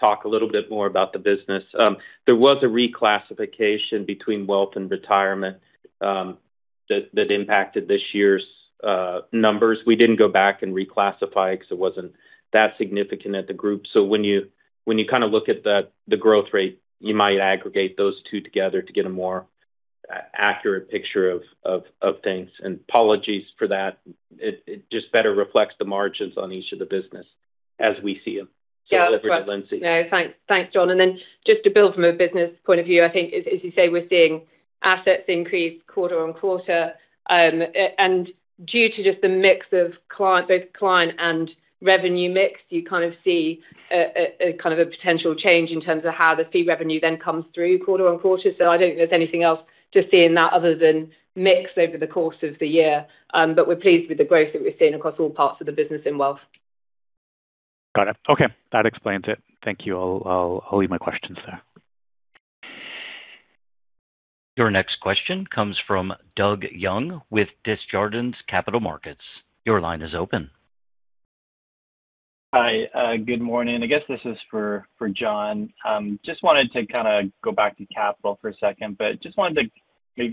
Speaker 5: talk a little bit more about the business. There was a reclassification between wealth and retirement that impacted this year's numbers. We didn't go back and reclassify it because it wasn't that significant at the group. When you kind of look at the growth rate, you might aggregate those two together to get a more accurate picture of things. Apologies for that. It just better reflects the margins on each of the business as we see them. Over to Lindsey.
Speaker 4: No, thanks, Jon. Then just to build from a business point of view, I think as you say, we're seeing assets increase quarter-over-quarter. Due to just the mix of both client and revenue mix, you kind of see a potential change in terms of how the fee revenue then comes through quarter-over-quarter. I don't think there's anything else to seeing that other than mix over the course of the year. We're pleased with the growth that we're seeing across all parts of the business in wealth.
Speaker 12: Got it. Okay. That explains it. Thank you. I'll leave my questions there.
Speaker 1: Your next question comes from Doug Young with Desjardins Capital Markets. Your line is open.
Speaker 14: Hi. Good morning. I guess this is for Jon. Just wanted to go back to capital for a second. Maybe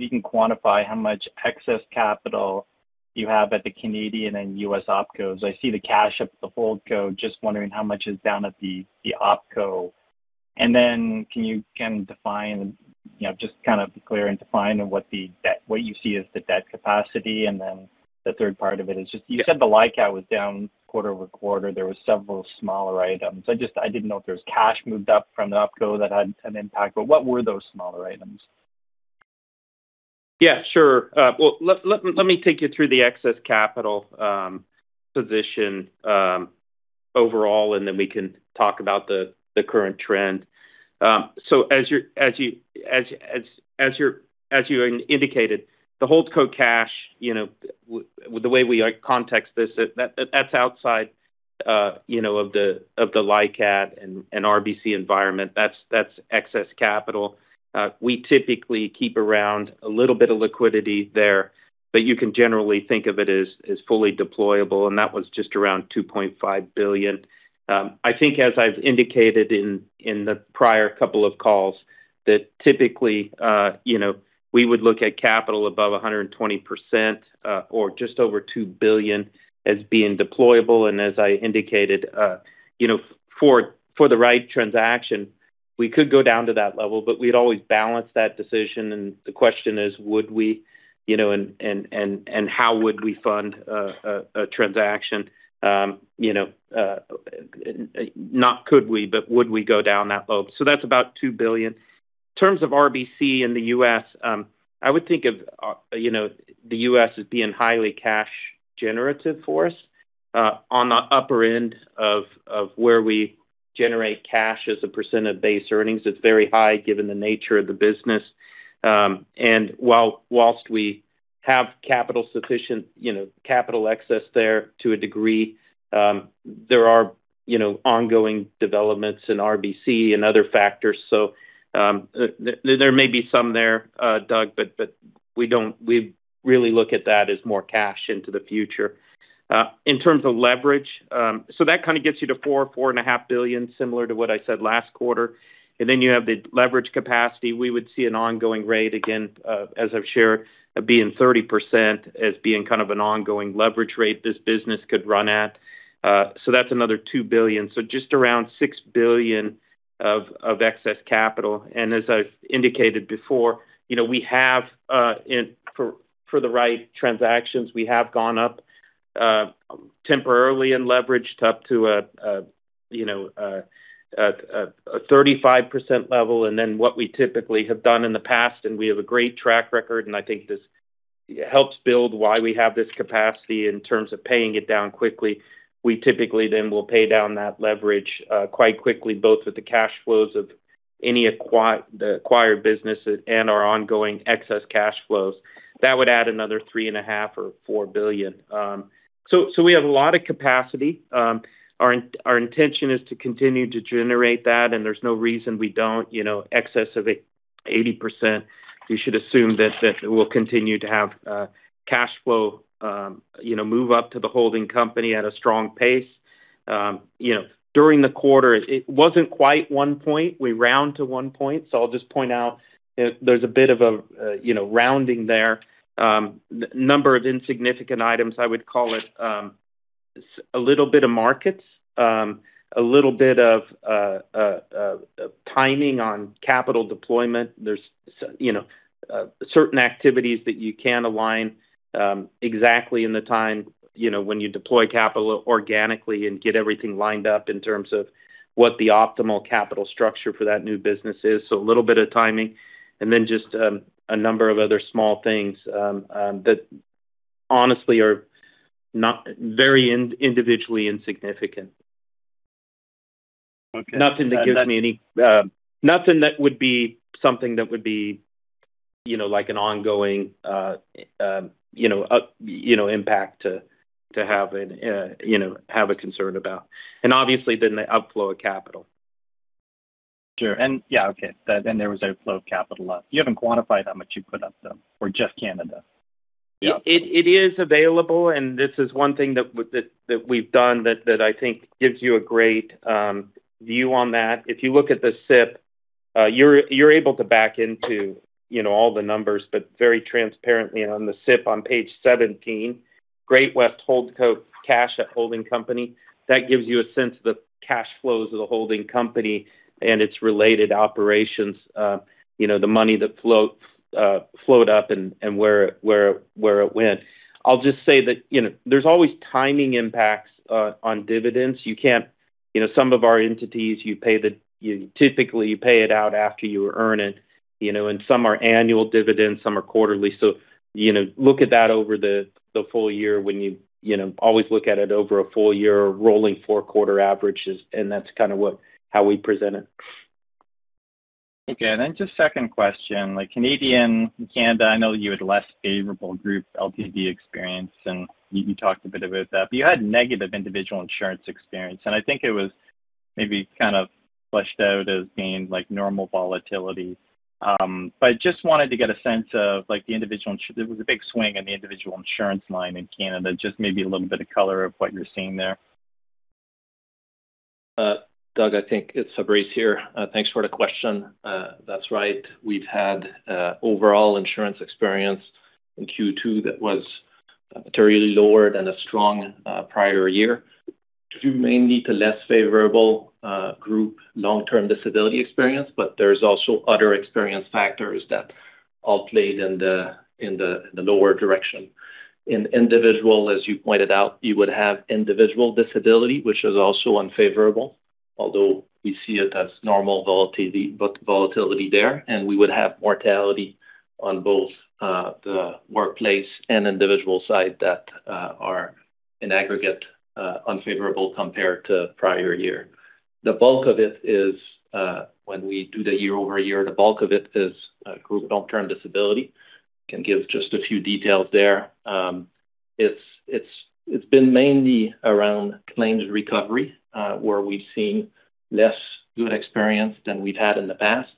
Speaker 14: you can quantify how much excess capital you have at the Canadian and U.S. OpCos. I see the cash up at the HoldCo. Just wondering how much is down at the OpCo. Can you define what you see as the debt capacity. The third part of it is you said the LICAT was down quarter-over-quarter. There were several smaller items. I didn't know if there was cash moved up from the OpCo that had an impact. What were those smaller items?
Speaker 5: Yeah, sure. Let me take you through the excess capital position overall. We can talk about the current trend. As you indicated, the HoldCo cash. The way we context this, that's outside of the LICAT and RBC environment. That's excess capital. We typically keep around a little bit of liquidity there. You can generally think of it as fully deployable, and that was just around 2.5 billion. I think as I've indicated in the prior couple of calls, that typically we would look at capital above 120% or just over 2 billion as being deployable. As I indicated, for the right transaction, we could go down to that level. We'd always balance that decision, and the question is would we, and how would we fund a transaction? Not could we. Would we go down that road? That's about 2 billion. In terms of RBC in the U.S., I would think of the U.S. as being highly cash generative for us on the upper end of where we generate cash as a percent of base earnings. It's very high given the nature of the business. Whilst we have capital sufficient, capital excess there to a degree, there are ongoing developments in RBC and other factors. There may be some there, Doug. We really look at that as more cash into the future. In terms of leverage, that kind of gets you to 4 billion-4.5 billion, similar to what I said last quarter. You have the leverage capacity. We would see an ongoing rate again, as I've shared, being 30% as being an ongoing leverage rate this business could run at. That's another 2 billion. Just around 6 billion of excess capital. As I've indicated before, for the right transactions, we have gone up temporarily and leveraged up to a 35% level. What we typically have done in the past, and we have a great track record, and I think this helps build why we have this capacity in terms of paying it down quickly. We typically then will pay down that leverage quite quickly, both with the cash flows of any acquired businesses and our ongoing excess cash flows. That would add another 3.5 billion or 4 billion. We have a lot of capacity. Our intention is to continue to generate that, and there's no reason we don't excess of 80%. You should assume that we'll continue to have cash flow move up to the holding company at a strong pace. During the quarter, it wasn't quite 1 point. We round to 1 point. I'll just point out there's a bit of a rounding there. Number of insignificant items, I would call it a little bit of markets, a little bit of timing on capital deployment. There's certain activities that you can align exactly in the time when you deploy capital organically and get everything lined up in terms of what the optimal capital structure for that new business is. A little bit of timing, and then just a number of other small things that honestly are very individually insignificant.
Speaker 14: Okay.
Speaker 5: Nothing that would be something that would be an ongoing impact to have a concern about. Obviously then the outflow of capital.
Speaker 14: Sure. Yeah, okay. There was outflow of capital. You haven't quantified how much you put up, though, or just Canada?
Speaker 5: It is available, this is one thing that we've done that I think gives you a great view on that. If you look at the SIP, you're able to back into all the numbers, very transparently on the SIP on page 17, Great-West Holdco cash at holding company. That gives you a sense of the cash flows of the holding company and its related operations, the money that flowed up and where it went. I'll just say that there's always timing impacts on dividends. Some of our entities, typically you pay it out after you earn it. Some are annual dividends, some are quarterly. Look at that over the full year when you always look at it over a full year or rolling four-quarter averages, that's kind of how we present it.
Speaker 14: Okay, just second question. Like Canadian, Canada, I know you had less favorable group LTD experience, you talked a bit about that. You had negative individual insurance experience, I think it was maybe kind of fleshed out as being like normal volatility. Just wanted to get a sense of like the individual insurance, there was a big swing in the individual insurance line in Canada, just maybe a little bit of color of what you're seeing there?
Speaker 15: Doug, I think. It's Fabrice here. Thanks for the question. That's right. We've had overall insurance experience in Q2 that was materially lower than a strong prior year, due mainly to less favorable group long-term disability experience. There's also other experience factors that all played in the lower direction. In individual, as you pointed out, you would have individual disability, which is also unfavorable, although we see it as normal volatility there. We would have mortality on both the workplace and individual side that are in aggregate, unfavorable compared to prior year. The bulk of it is when we do the year-over-year, the bulk of it is group long-term disability. Can give just a few details there. It's been mainly around claims recovery, where we've seen less good experience than we'd had in the past.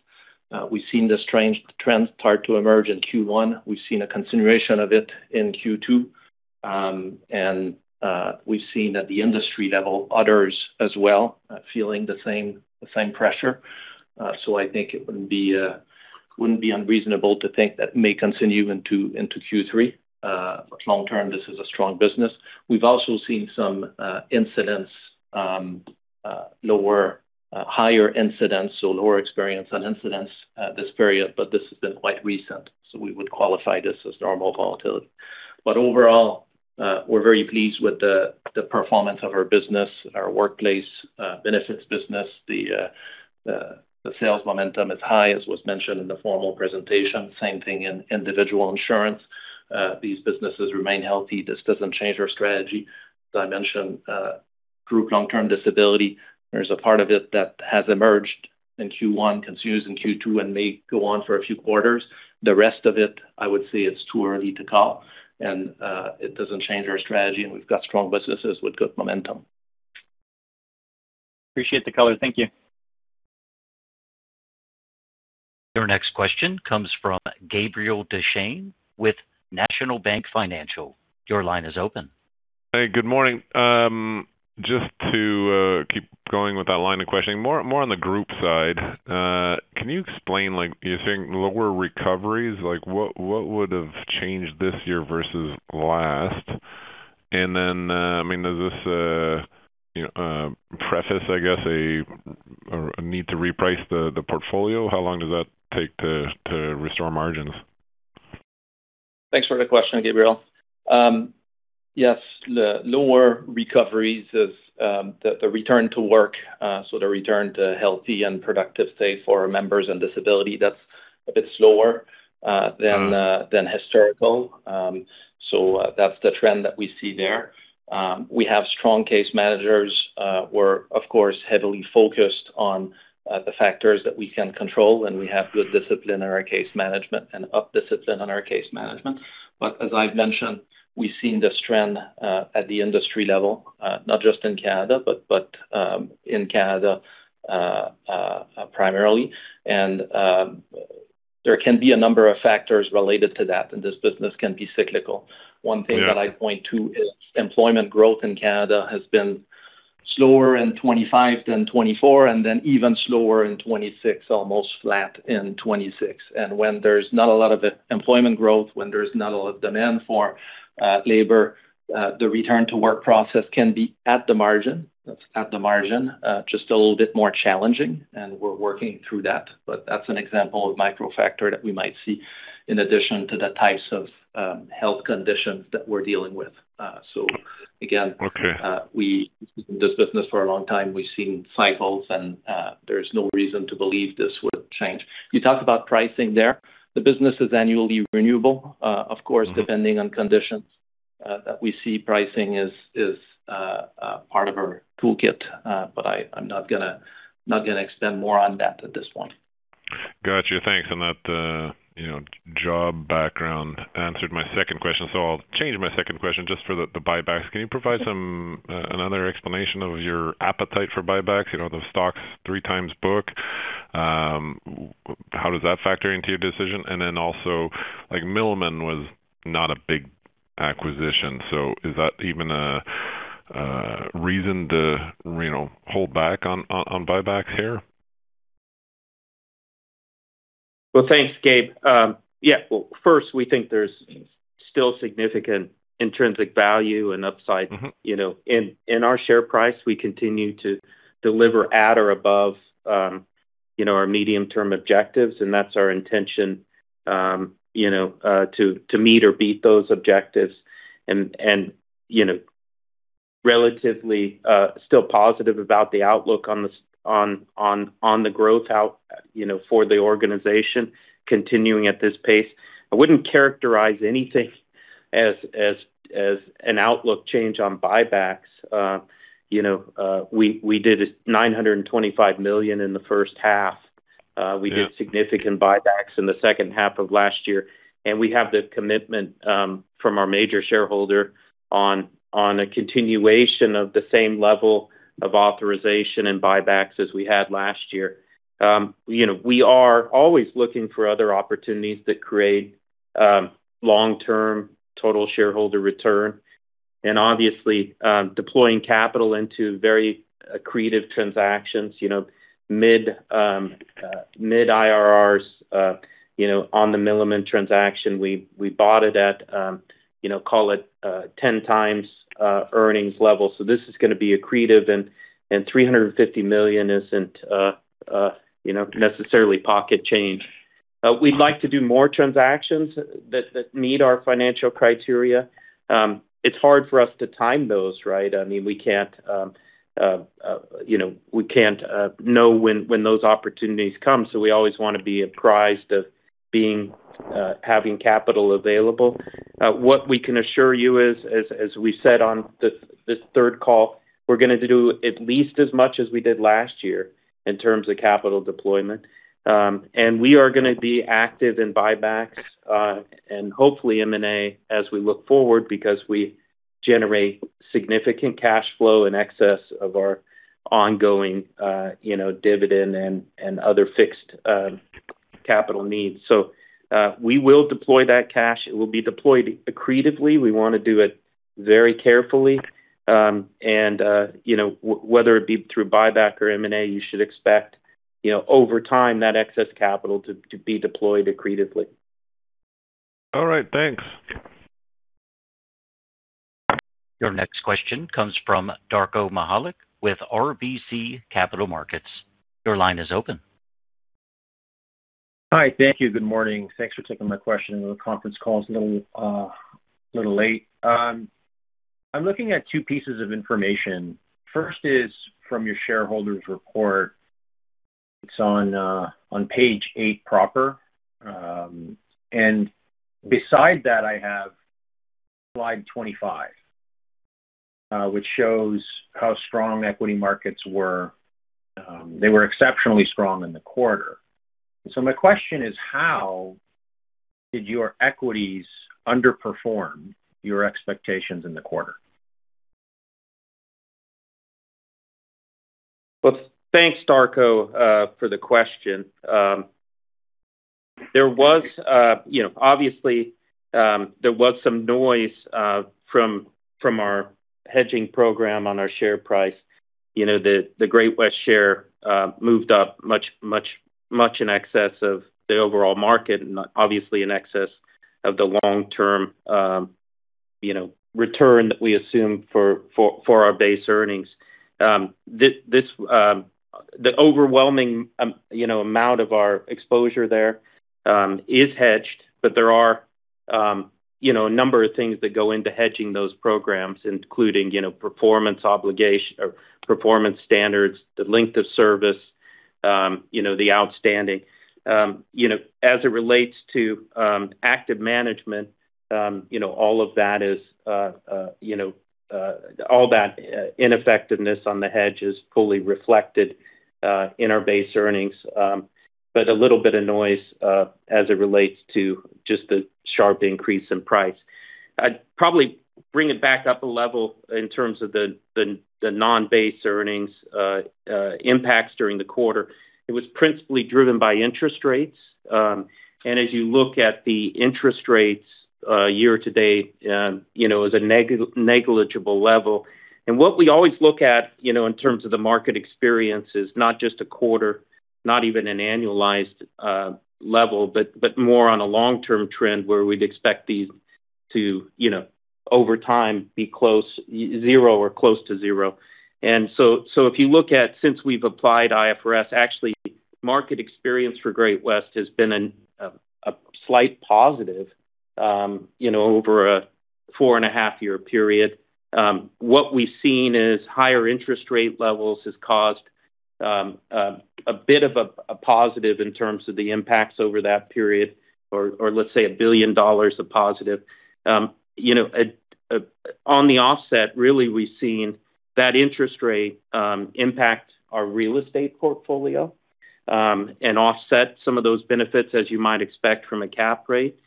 Speaker 15: We've seen this trend start to emerge in Q1. We've seen a continuation of it in Q2. We've seen at the industry level others as well, feeling the same pressure. I think it wouldn't be unreasonable to think that may continue into Q3. Long term, this is a strong business. We've also seen some incidents, higher incidents, lower experience on incidents this period, this has been quite recent, we would qualify this as normal volatility. Overall, we're very pleased with the performance of our business, our workplace benefits business. The sales momentum is high, as was mentioned in the formal presentation. Same thing in individual insurance. These businesses remain healthy. This doesn't change our strategy. As I mentioned, group long-term disability, there's a part of it that has emerged in Q1, continues in Q2, may go on for a few quarters. The rest of it, I would say it's too early to call, and it doesn't change our strategy, and we've got strong businesses with good momentum.
Speaker 14: Appreciate the color. Thank you.
Speaker 1: Your next question comes from Gabriel Dechaine with National Bank Financial. Your line is open.
Speaker 16: Hey, good morning. Just to keep going with that line of questioning, more on the group side. Can you explain, you're seeing lower recoveries, what would have changed this year versus last? Does this preface, I guess, a need to reprice the portfolio? How long does that take to restore margins?
Speaker 15: Thanks for the question, Gabriel. Yes, the lower recoveries is the return to work, so the return to healthy and productive state for our members on disability, that's a bit slower than historical. That's the trend that we see there. We have strong case managers. We're, of course, heavily focused on the factors that we can control, and we have good discipline in our case management and up discipline on our case management. As I've mentioned, we've seen this trend at the industry level, not just in Canada, but in Canada primarily. There can be a number of factors related to that, and this business can be cyclical.
Speaker 16: Yeah.
Speaker 15: One thing that I point to is employment growth in Canada has been slower in 2025 than 2024, and even slower in 2026, almost flat in 2026. When there's not a lot of employment growth, when there's not a lot of demand for labor, the return-to-work process can be at the margin, just a little bit more challenging, and we're working through that. That's an example of micro factor that we might see in addition to the types of health conditions that we're dealing with. We've been in this business for a long time. We've seen cycles, and there's no reason to believe this would change. You talk about pricing there. The business is annually renewable. Depending on conditions that we see pricing is part of our toolkit. I'm not going to extend more on that at this one.
Speaker 16: Got you. Thanks. That job background answered my second question, I'll change my second question just for the buybacks. Can you provide another explanation of your appetite for buybacks? The stock's 3x book. How does that factor into your decision? Milliman was not a big acquisition, is that even a reason to hold back on buybacks here?
Speaker 5: Well, thanks, Gabe. Yeah. Well, first, we think there's still significant intrinsic value and upside in our share price. We continue to deliver at or above our medium-term objectives, that's our intention to meet or beat those objectives. Relatively still positive about the outlook on the growth for the organization continuing at this pace. I wouldn't characterize anything as an outlook change on buybacks. We did 925 million in the first half.
Speaker 16: Yeah.
Speaker 5: We did significant buybacks in the second half of last year, we have the commitment from our major shareholder on a continuation of the same level of authorization and buybacks as we had last year. We are always looking for other opportunities that create long-term total shareholder return and obviously deploying capital into very accretive transactions. Mid IRRs on the Milliman transaction, we bought it at call it 10x earnings level. This is going to be accretive and 350 million isn't necessarily pocket change. We'd like to do more transactions that meet our financial criteria. It's hard for us to time those, right? We can't know when those opportunities come, we always want to be apprised of having capital available. What we can assure you is, as we said on this third call, we are going to do at least as much as we did last year in terms of capital deployment. We are going to be active in buybacks and hopefully M&A as we look forward because we generate significant cash flow in excess of our ongoing dividend and other fixed capital needs. We will deploy that cash. It will be deployed accretively. We want to do it very carefully. Whether it be through buyback or M&A, you should expect over time that excess capital to be deployed accretively.
Speaker 16: All right. Thanks.
Speaker 1: Your next question comes from Darko Mihelic with RBC Capital Markets. Your line is open.
Speaker 17: Hi. Thank you. Good morning. Thanks for taking my question. I know the conference call's a little late. I am looking at two pieces of information. First is from your shareholders report. It's on page eight proper. Beside that, I have slide 25 which shows how strong equity markets were. They were exceptionally strong in the quarter. My question is how did your equities underperform your expectations in the quarter?
Speaker 5: Well, thanks, Darko, for the question. Obviously, there was some noise from our hedging program on our share price. The Great-West share moved up much in excess of the overall market and obviously in excess of the long-term return that we assumed for our base earnings. The overwhelming amount of our exposure there is hedged, but there are a number of things that go into hedging those programs, including performance standards, the length of service, the outstanding. As it relates to active management, all that ineffectiveness on the hedge is fully reflected in our base earnings. A little bit of noise as it relates to just the sharp increase in price. I'd probably bring it back up a level in terms of the non-base earnings impacts during the quarter. It was principally driven by interest rates. As you look at the interest rates year to date, is a negligible level. What we always look at in terms of the market experience is not just a quarter, not even an annualized level, but more on a long-term trend where we'd expect these to, over time, be zero or close to zero. If you look at since we've applied IFRS, actually market experience for Great-West has been a slight positive over a 4.5-year period. What we've seen is higher interest rate levels has caused a bit of a positive in terms of the impacts over that period or let's say 1 billion dollars of positive. On the offset, really we've seen that interest rate impact our real estate portfolio and offset some of those benefits as you might expect from a cap rate.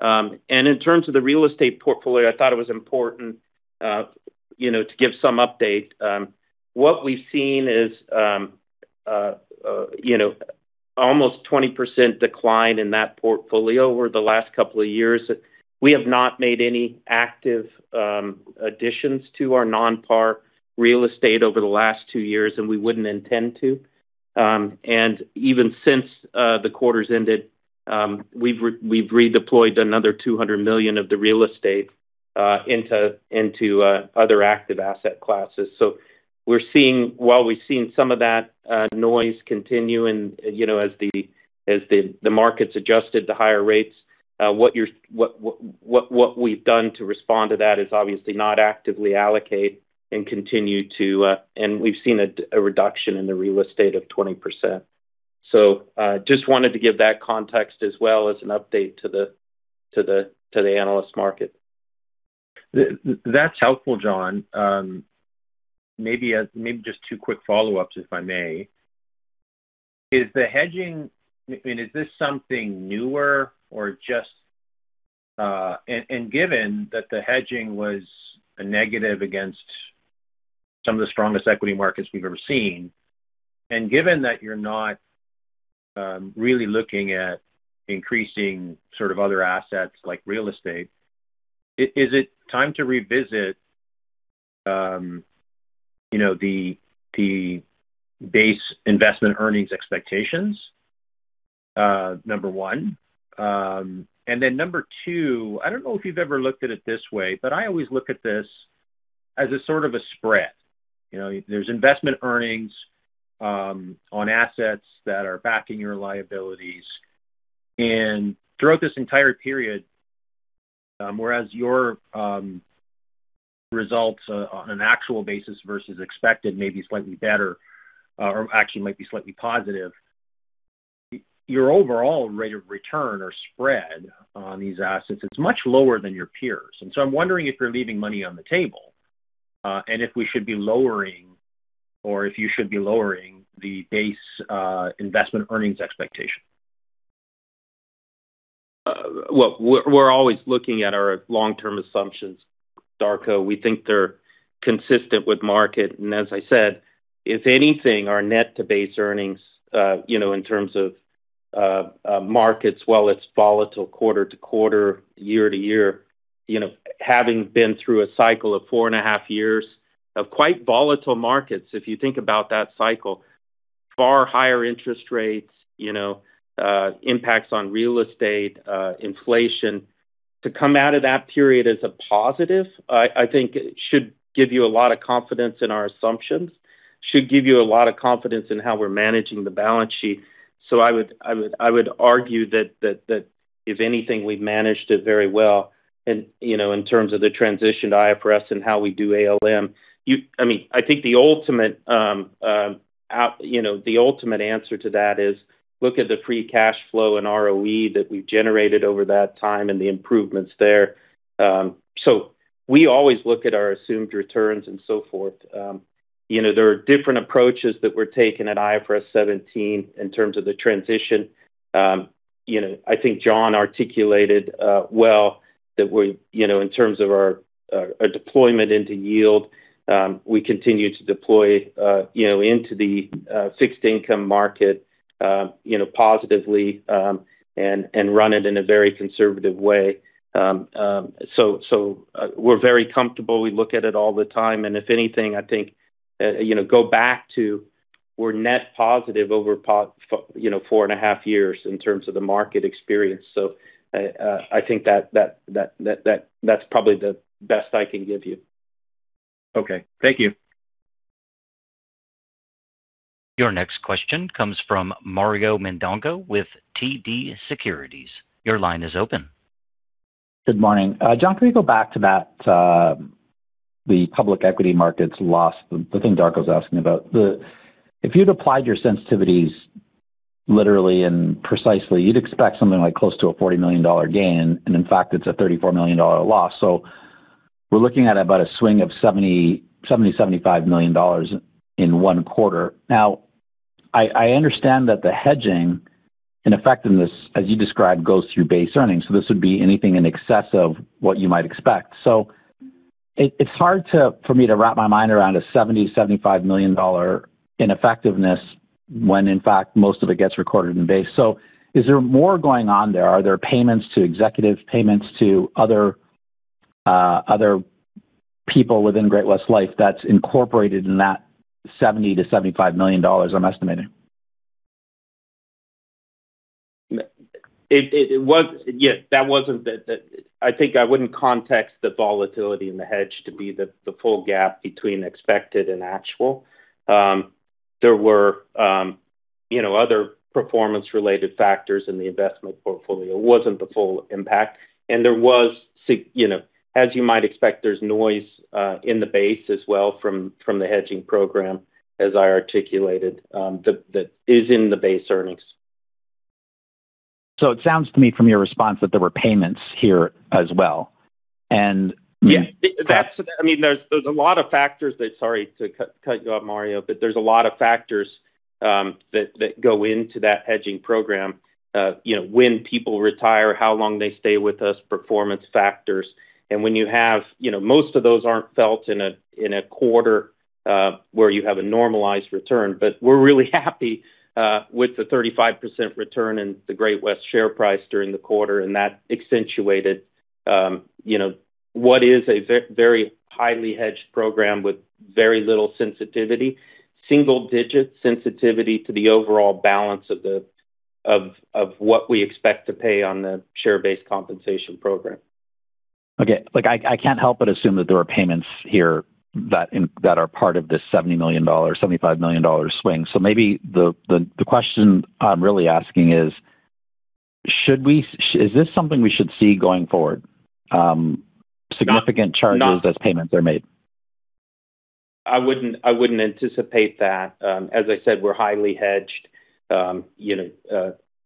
Speaker 5: In terms of the real estate portfolio, I thought it was important to give some update. What we've seen is almost 20% decline in that portfolio over the last couple of years. We have not made any active additions to our non-par real estate over the last two years, and we wouldn't intend to. Even since the quarter's ended, we've redeployed another 200 million of the real estate into other active asset classes. While we've seen some of that noise continue and as the market's adjusted to higher rates what we've done to respond to that is obviously not actively allocate and continue to and we've seen a reduction in the real estate of 20%. Just wanted to give that context as well as an update to the analyst market.
Speaker 17: That's helpful, Jon. Maybe just two quick follow-ups, if I may. Is the hedging, is this something newer? Given that the hedging was a negative against some of the strongest equity markets we've ever seen, and given that you're not really looking at increasing sort of other assets like real estate, is it time to revisit the base investment earnings expectations? Number one. Number two, I don't know if you've ever looked at it this way, but I always look at this as a sort of a spread. There's investment earnings on assets that are backing your liabilities. Throughout this entire period, whereas your results on an actual basis versus expected may be slightly better or actually might be slightly positive, your overall rate of return or spread on these assets is much lower than your peers. I'm wondering if you're leaving money on the table, and if we should be lowering, or if you should be lowering the base investment earnings expectation.
Speaker 5: Well, we're always looking at our long-term assumptions, Darko. We think they're consistent with market, and as I said, if anything, our net-to-base earnings, in terms of markets, while it's volatile quarter to quarter, year to year, having been through a cycle of 4.5 years of quite volatile markets, if you think about that cycle, far higher interest rates, impacts on real estate, inflation. To come out of that period as a positive, I think should give you a lot of confidence in our assumptions, should give you a lot of confidence in how we're managing the balance sheet. I would argue that if anything, we've managed it very well in terms of the transition to IFRS and how we do ALM. I think the ultimate answer to that is look at the free cash flow and ROE that we've generated over that time and the improvements there. We always look at our assumed returns and so forth. There are different approaches that were taken at IFRS 17 in terms of the transition. I think John articulated well that in terms of our deployment into yield, we continue to deploy into the fixed income market positively, and run it in a very conservative way. We're very comfortable. We look at it all the time, and if anything, I think go back to we're net positive over 4.5 years in terms of the market experience. I think that's probably the best I can give you.
Speaker 17: Okay. Thank you.
Speaker 1: Your next question comes from Mario Mendonca with TD Securities. Your line is open.
Speaker 18: Good morning. Jon, can we go back to the public equity markets loss, the thing Darko's asking about. If you'd applied your sensitivities literally and precisely, you'd expect something like close to a 40 million dollar gain, and in fact, it's a 34 million dollar loss. We're looking at about a swing of 70 million-75 million dollars in one quarter. I understand that the hedging in effectiveness, as you described, goes through base earnings, this would be anything in excess of what you might expect. It's hard for me to wrap my mind around a 70 million-75 million dollar in effectiveness when in fact most of it gets recorded in base. Is there more going on there? Are there payments to executives, payments to other people within Great-West Life that's incorporated in that 70 million-75 million dollars I'm estimating?
Speaker 5: I think I wouldn't context the volatility in the hedge to be the full gap between expected and actual. There were other performance-related factors in the investment portfolio. It wasn't the full impact, and as you might expect, there's noise in the base as well from the hedging program, as I articulated, that is in the base earnings.
Speaker 18: It sounds to me from your response that there were payments here as well.
Speaker 5: Yeah. Sorry to cut you off, Mario, there's a lot of factors that go into that hedging program. When people retire, how long they stay with us, performance factors. Most of those aren't felt in a quarter where you have a normalized return. We're really happy with the 35% return in the Great-West share price during the quarter, and that accentuated what is a very highly hedged program with very little sensitivity. Single-digit sensitivity to the overall balance of what we expect to pay on the share-based compensation program.
Speaker 18: Okay. I can't help but assume that there are payments here that are part of this 70 million dollars, 75 million dollars swing. Maybe the question I'm really asking is this something we should see going forward? Significant charges as payments are made.
Speaker 5: I wouldn't anticipate that. As I said, we're highly hedged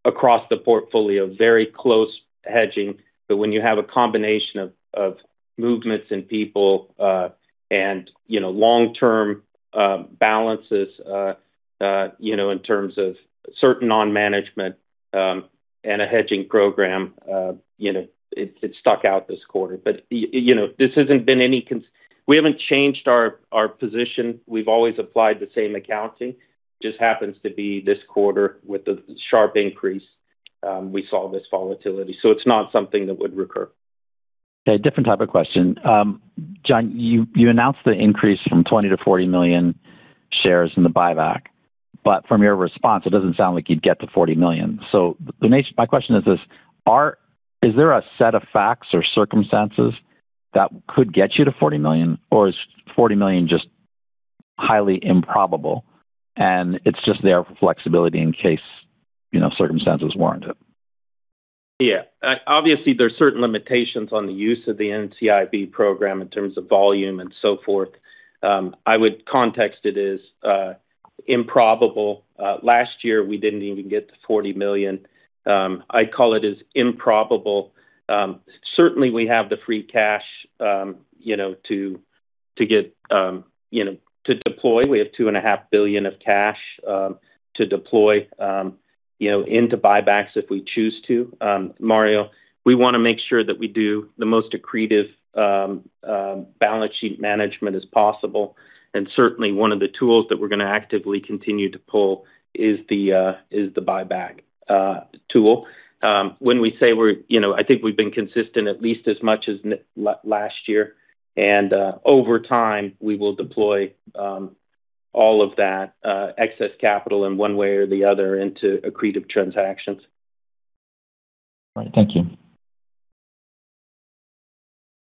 Speaker 5: across the portfolio, very close hedging. When you have a combination of movements in people and long-term balances in terms of certain non-management and a hedging program, it stuck out this quarter. We haven't changed our position. We've always applied the same accounting. Just happens to be this quarter with the sharp increase we saw this volatility. It's not something that would recur.
Speaker 18: Okay, different type of question. Jon, you announced the increase from 20 million-40 million shares in the buyback. From your response, it doesn't sound like you'd get to 40 million. My question is this: Is there a set of facts or circumstances that could get you to 40 million, or is 40 million just highly improbable and it's just there for flexibility in case circumstances warrant it?
Speaker 5: Yeah. Obviously, there are certain limitations on the use of the NCIB program in terms of volume and so forth. I would context it as improbable. Last year, we didn't even get to 40 million. I'd call it as improbable. Certainly, we have the free cash to deploy. We have 2.5 billion of cash to deploy into buybacks if we choose to. Mario, we want to make sure that we do the most accretive balance sheet management as possible, and certainly one of the tools that we're going to actively continue to pull is the buyback tool. I think we've been consistent at least as much as last year. Over time, we will deploy all of that excess capital in one way or the other into accretive transactions.
Speaker 18: All right. Thank you.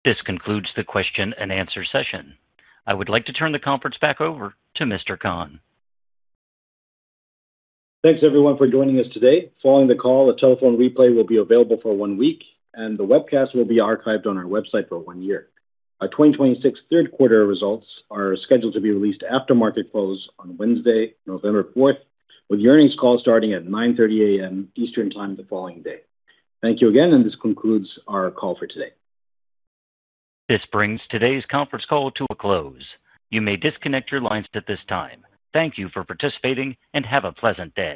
Speaker 1: This concludes the question and answer session. I would like to turn the conference back over to Mr. Khan.
Speaker 2: Thanks, everyone, for joining us today. Following the call, a telephone replay will be available for one week, and the webcast will be archived on our website for one year. Our 2026 third quarter results are scheduled to be released after market close on Wednesday, November 4th, with the earnings call starting at 9:30 A.M. Eastern Time the following day. Thank you again, this concludes our call for today.
Speaker 1: This brings today's conference call to a close. You may disconnect your lines at this time. Thank you for participating, and have a pleasant day.